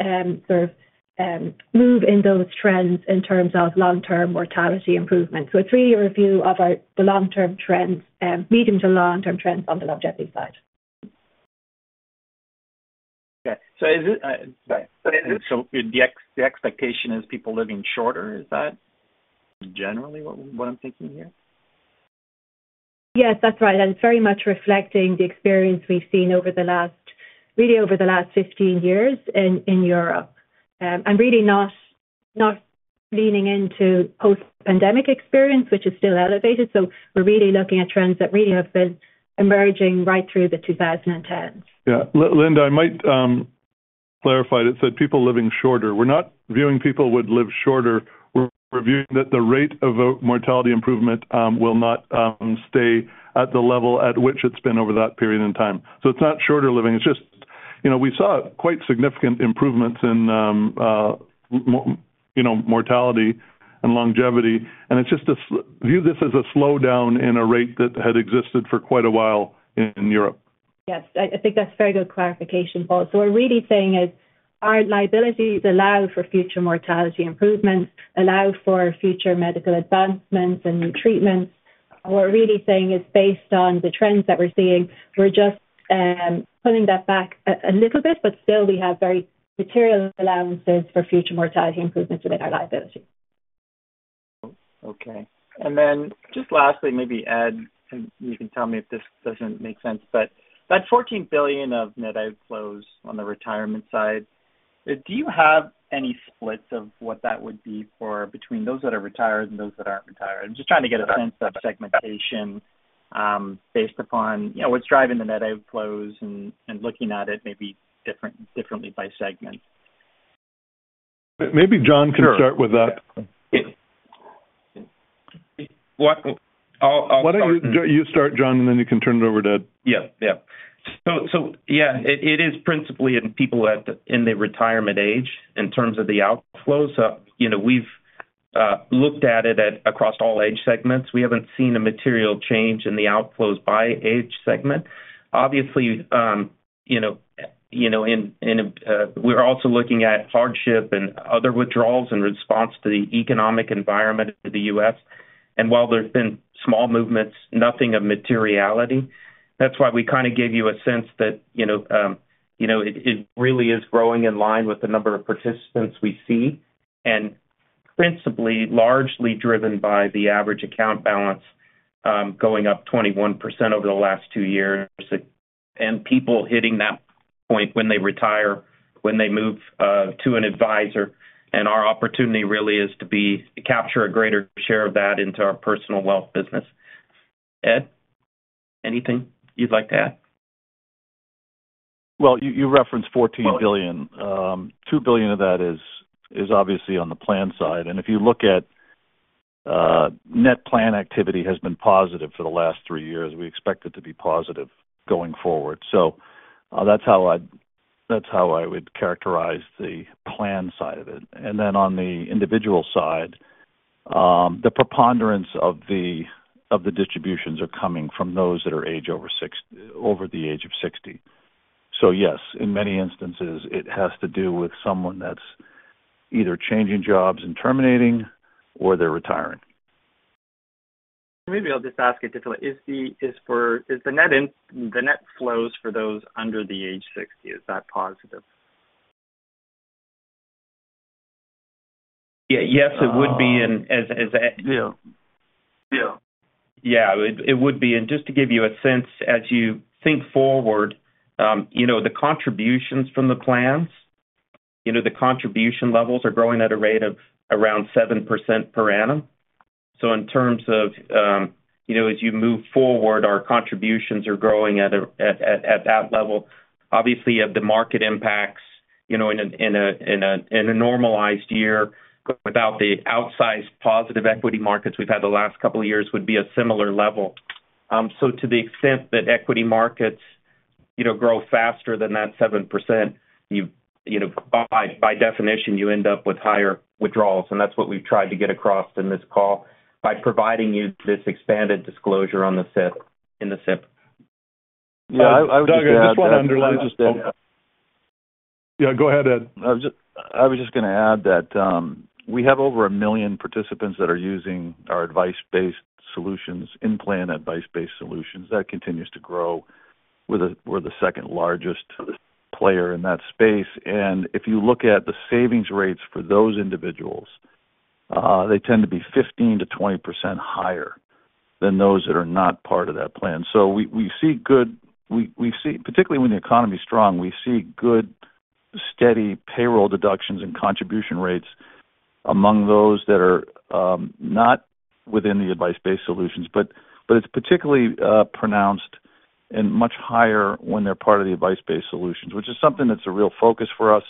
sort of move in those trends in terms of long-term mortality improvement. So a three-year view of the long-term trends, medium- to long-term trends on the longevity side. Okay, so is it the X? The expectation is people living shorter. Is that generally what I'm thinking here? Yes, that's right, and it's very much reflecting the experience we've seen over the last, really over the last 15 years in Europe and really not leaning into post-pandemic experience, which is still elevated, so we're really looking at trends that really have been emerging right through the 2010s. Yeah, Linda, I might have clarified. It said people living shorter. We're not viewing that people would live shorter. We're reviewing that the rate of mortality improvement will not stay at the level at which it's been over that period in time. So it's not shorter living. It's just, you know, we saw quite significant improvements in, you know, mortality and longevity. And we're just viewing this as a slowdown in a rate that had existed for quite a while. Yes, I think that's very good clarification, Paul. So we're really saying is our liabilities allow for future mortality improvements, allow for future medical advancements and new treatments. What we're really saying is based on the trends that we're seeing, we're just pulling that back a little bit. But still we have very material allowances for future mortality improvements within our liability. Okay, and then just lastly, maybe, Ed, you can tell me if this doesn't make sense, but that $14 billion of net outflows on the retirement side, do you have any splits of what that would be for between those that are retired and those that aren't retired? I'm just trying to get a sense of segmentation based upon, you know, what's driving the net outflows and looking at it maybe different, differently by segment. Maybe John can start with that. Why don't you start, John? And then you can turn it over to Ed. Yeah, yeah. So, yeah, it is principally in people in the retirement age in terms of the outflows. You know, we've looked at it across all age segments. We haven't seen a material change in the outflows by age segment. Obviously, you know, we're also looking at hardship and other withdrawals in response to the economic environment of the U.S. and while there's been small movements, nothing of materiality. That's why we kind of gave you a sense that, you know, it really is growing in line with the number of participants we see, and principally largely driven by the average account balance going up 21% over the last two years and people hitting that point when they retire, when they move to an advisor. And our opportunity really is to capture a greater share of that into our personal wealth business. Ed, anything you'd like to add? You referenced $14 billion. $2 billion of that is obviously on the plan side. And if you look at net plan activity has been positive for the last three years. We expect it to be positive going forward. So that's how I would characterize the plan side of it. And then on the individual side, the preponderance of the distributions are coming from those that are over the age of 60. So yes, in many instances it has to do with someone that's either changing jobs and terminating or they're retiring. Maybe I'll just ask it differently. Is the net flows for those under the age 60, is that positive? Yes, it would be. Yeah, it would be. And just to give you a sense, as you think forward, you know, the contributions from the plans, you know, the contribution levels are growing at a rate of around 7% per annum. So in terms of, as you move forward, our contributions are growing at that level. Obviously the market impacts in a normalized year without the outsized positive equity markets we've had the last couple of years would be a similar level. So to the extent that equity markets grow faster than that 7%, by definition, you end up with higher. And that's what we've tried to get across in this call by providing you this expanded disclosure on the SIP. Yeah, Doug, I just want to underline. Yeah, go ahead, Ed. I was just going to add that we have over a million participants that are using our advice based solutions in plan advice based solutions that continues to grow. We're the second largest player in that space. And if you look at the savings rates for those individuals, they tend to be 15%-20% higher than those that are not part of that plan. So we see good, we see, particularly when the economy is strong, we see good steady payroll deductions and contribution rates among those that are not within the advice based solutions. But it's particularly pronounced and much higher when they're part of the advice based solutions, which is something that's a real focus for us.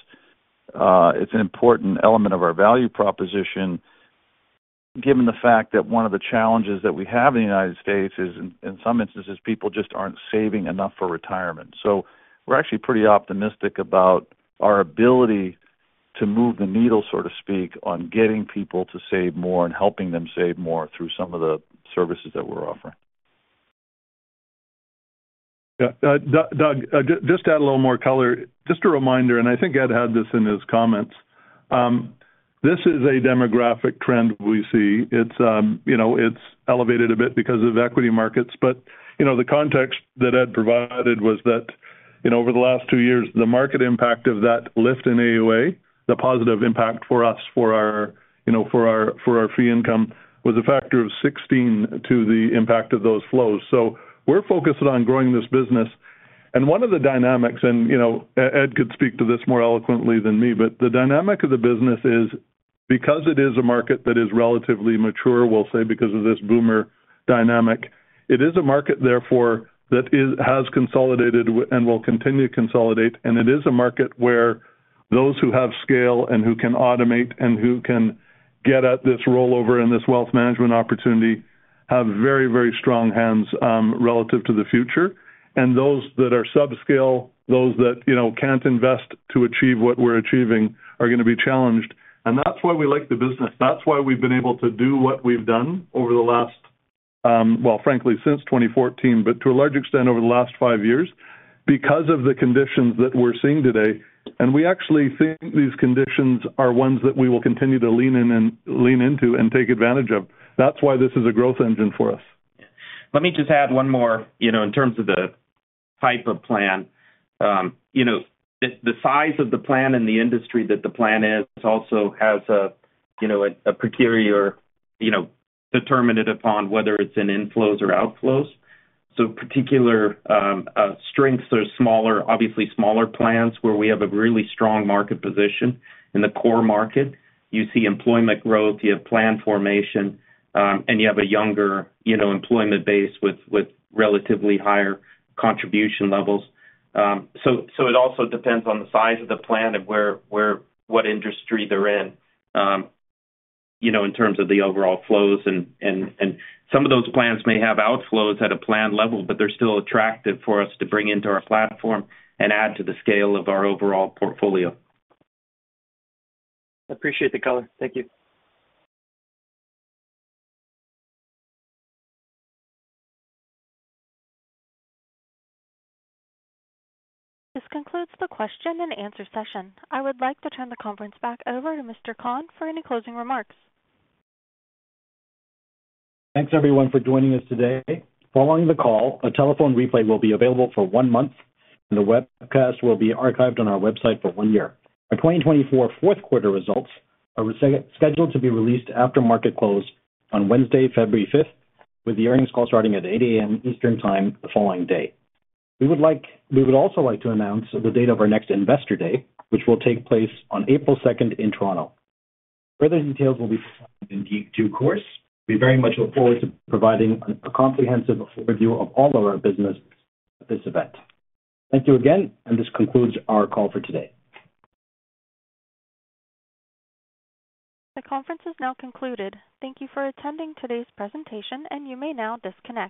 It's an important element of our value proposition given the fact that one of the challenges that we have in the United States is in some instances, people just aren't saving enough for retirement. So we're actually pretty optimistic about our ability to move the needle, so to speak, on getting people to save more and helping them save more through some of the services that we're offering. Doug, just to add a little more color, just a reminder, and I think Ed had this in his comments. This is a demographic trend we see. It's, you know, it's elevated a bit because of equity markets. But, you know, the context that Ed provided was that, you know, over the last two years, the market impact of that lift in AUA, the positive impact for us for our fee income was a factor of 16 to the impact of those flows. So we're focused on growing this business. And one of the dynamics, and Ed could speak to this more eloquently than me, but the dynamic of the business is because it is a market that is relatively mature, we'll say because of this boomer dynamic. It is a market, therefore, that has consolidated and will continue to consolidate. And it is a market where those who have scale and who can automate and who can get at this rollover and this wealth management opportunity have very, very strong hands relative to the future. And those that are subscale, those that can't invest to achieve what we're achieving are going to be challenged. And that's why we like the business. That's why we've been able to do what we've done over the last, well, frankly, since 2014, but to a large extent over the last five years because of the conditions that we're seeing today. And we actually think these conditions are ones that we will continue to lean into and take advantage of. That's why this is a growth engine for us. Let me just add one more. You know, in terms of the type of plan, you know, the size of the plan and the industry that the plan is also has a, you know, a peculiar, you know, determinant upon whether it's in inflows or outflows. So particular strengths are smaller, obviously smaller plans where we have a really strong market position. In the core market, you see employment growth, you have plan formation and you have a younger employment base with relatively higher contribution levels. So it also depends on the size of the plan and what industry they're in in terms of the overall flows. And some of those plans may have outflows at a plan level, but they're still attractive for to bring into our platform and add to the scale of our overall portfolio. Appreciate the color. Thank you. This concludes the question and answer session. I would like to turn the conference back over to Mr. Khan for any closing remarks. Thanks everyone for joining us today. Following the call, a telephone replay will be available for one month and the webcast will be archived on our website for one year. Our 2024 fourth quarter results are scheduled to be released after market close on Wednesday, February 5th, with the earnings call starting at 8:00 A.M. Eastern Time the following day. We would also like to announce the date of our next investor day which will take place on April 2nd in Toronto. Further details will be forthcoming. We very much look forward to providing a comprehensive overview of all of our business at this event. Thank you again. This concludes our call for today. The conference is now concluded. Thank you for attending today's presentation. And you may now disconnect.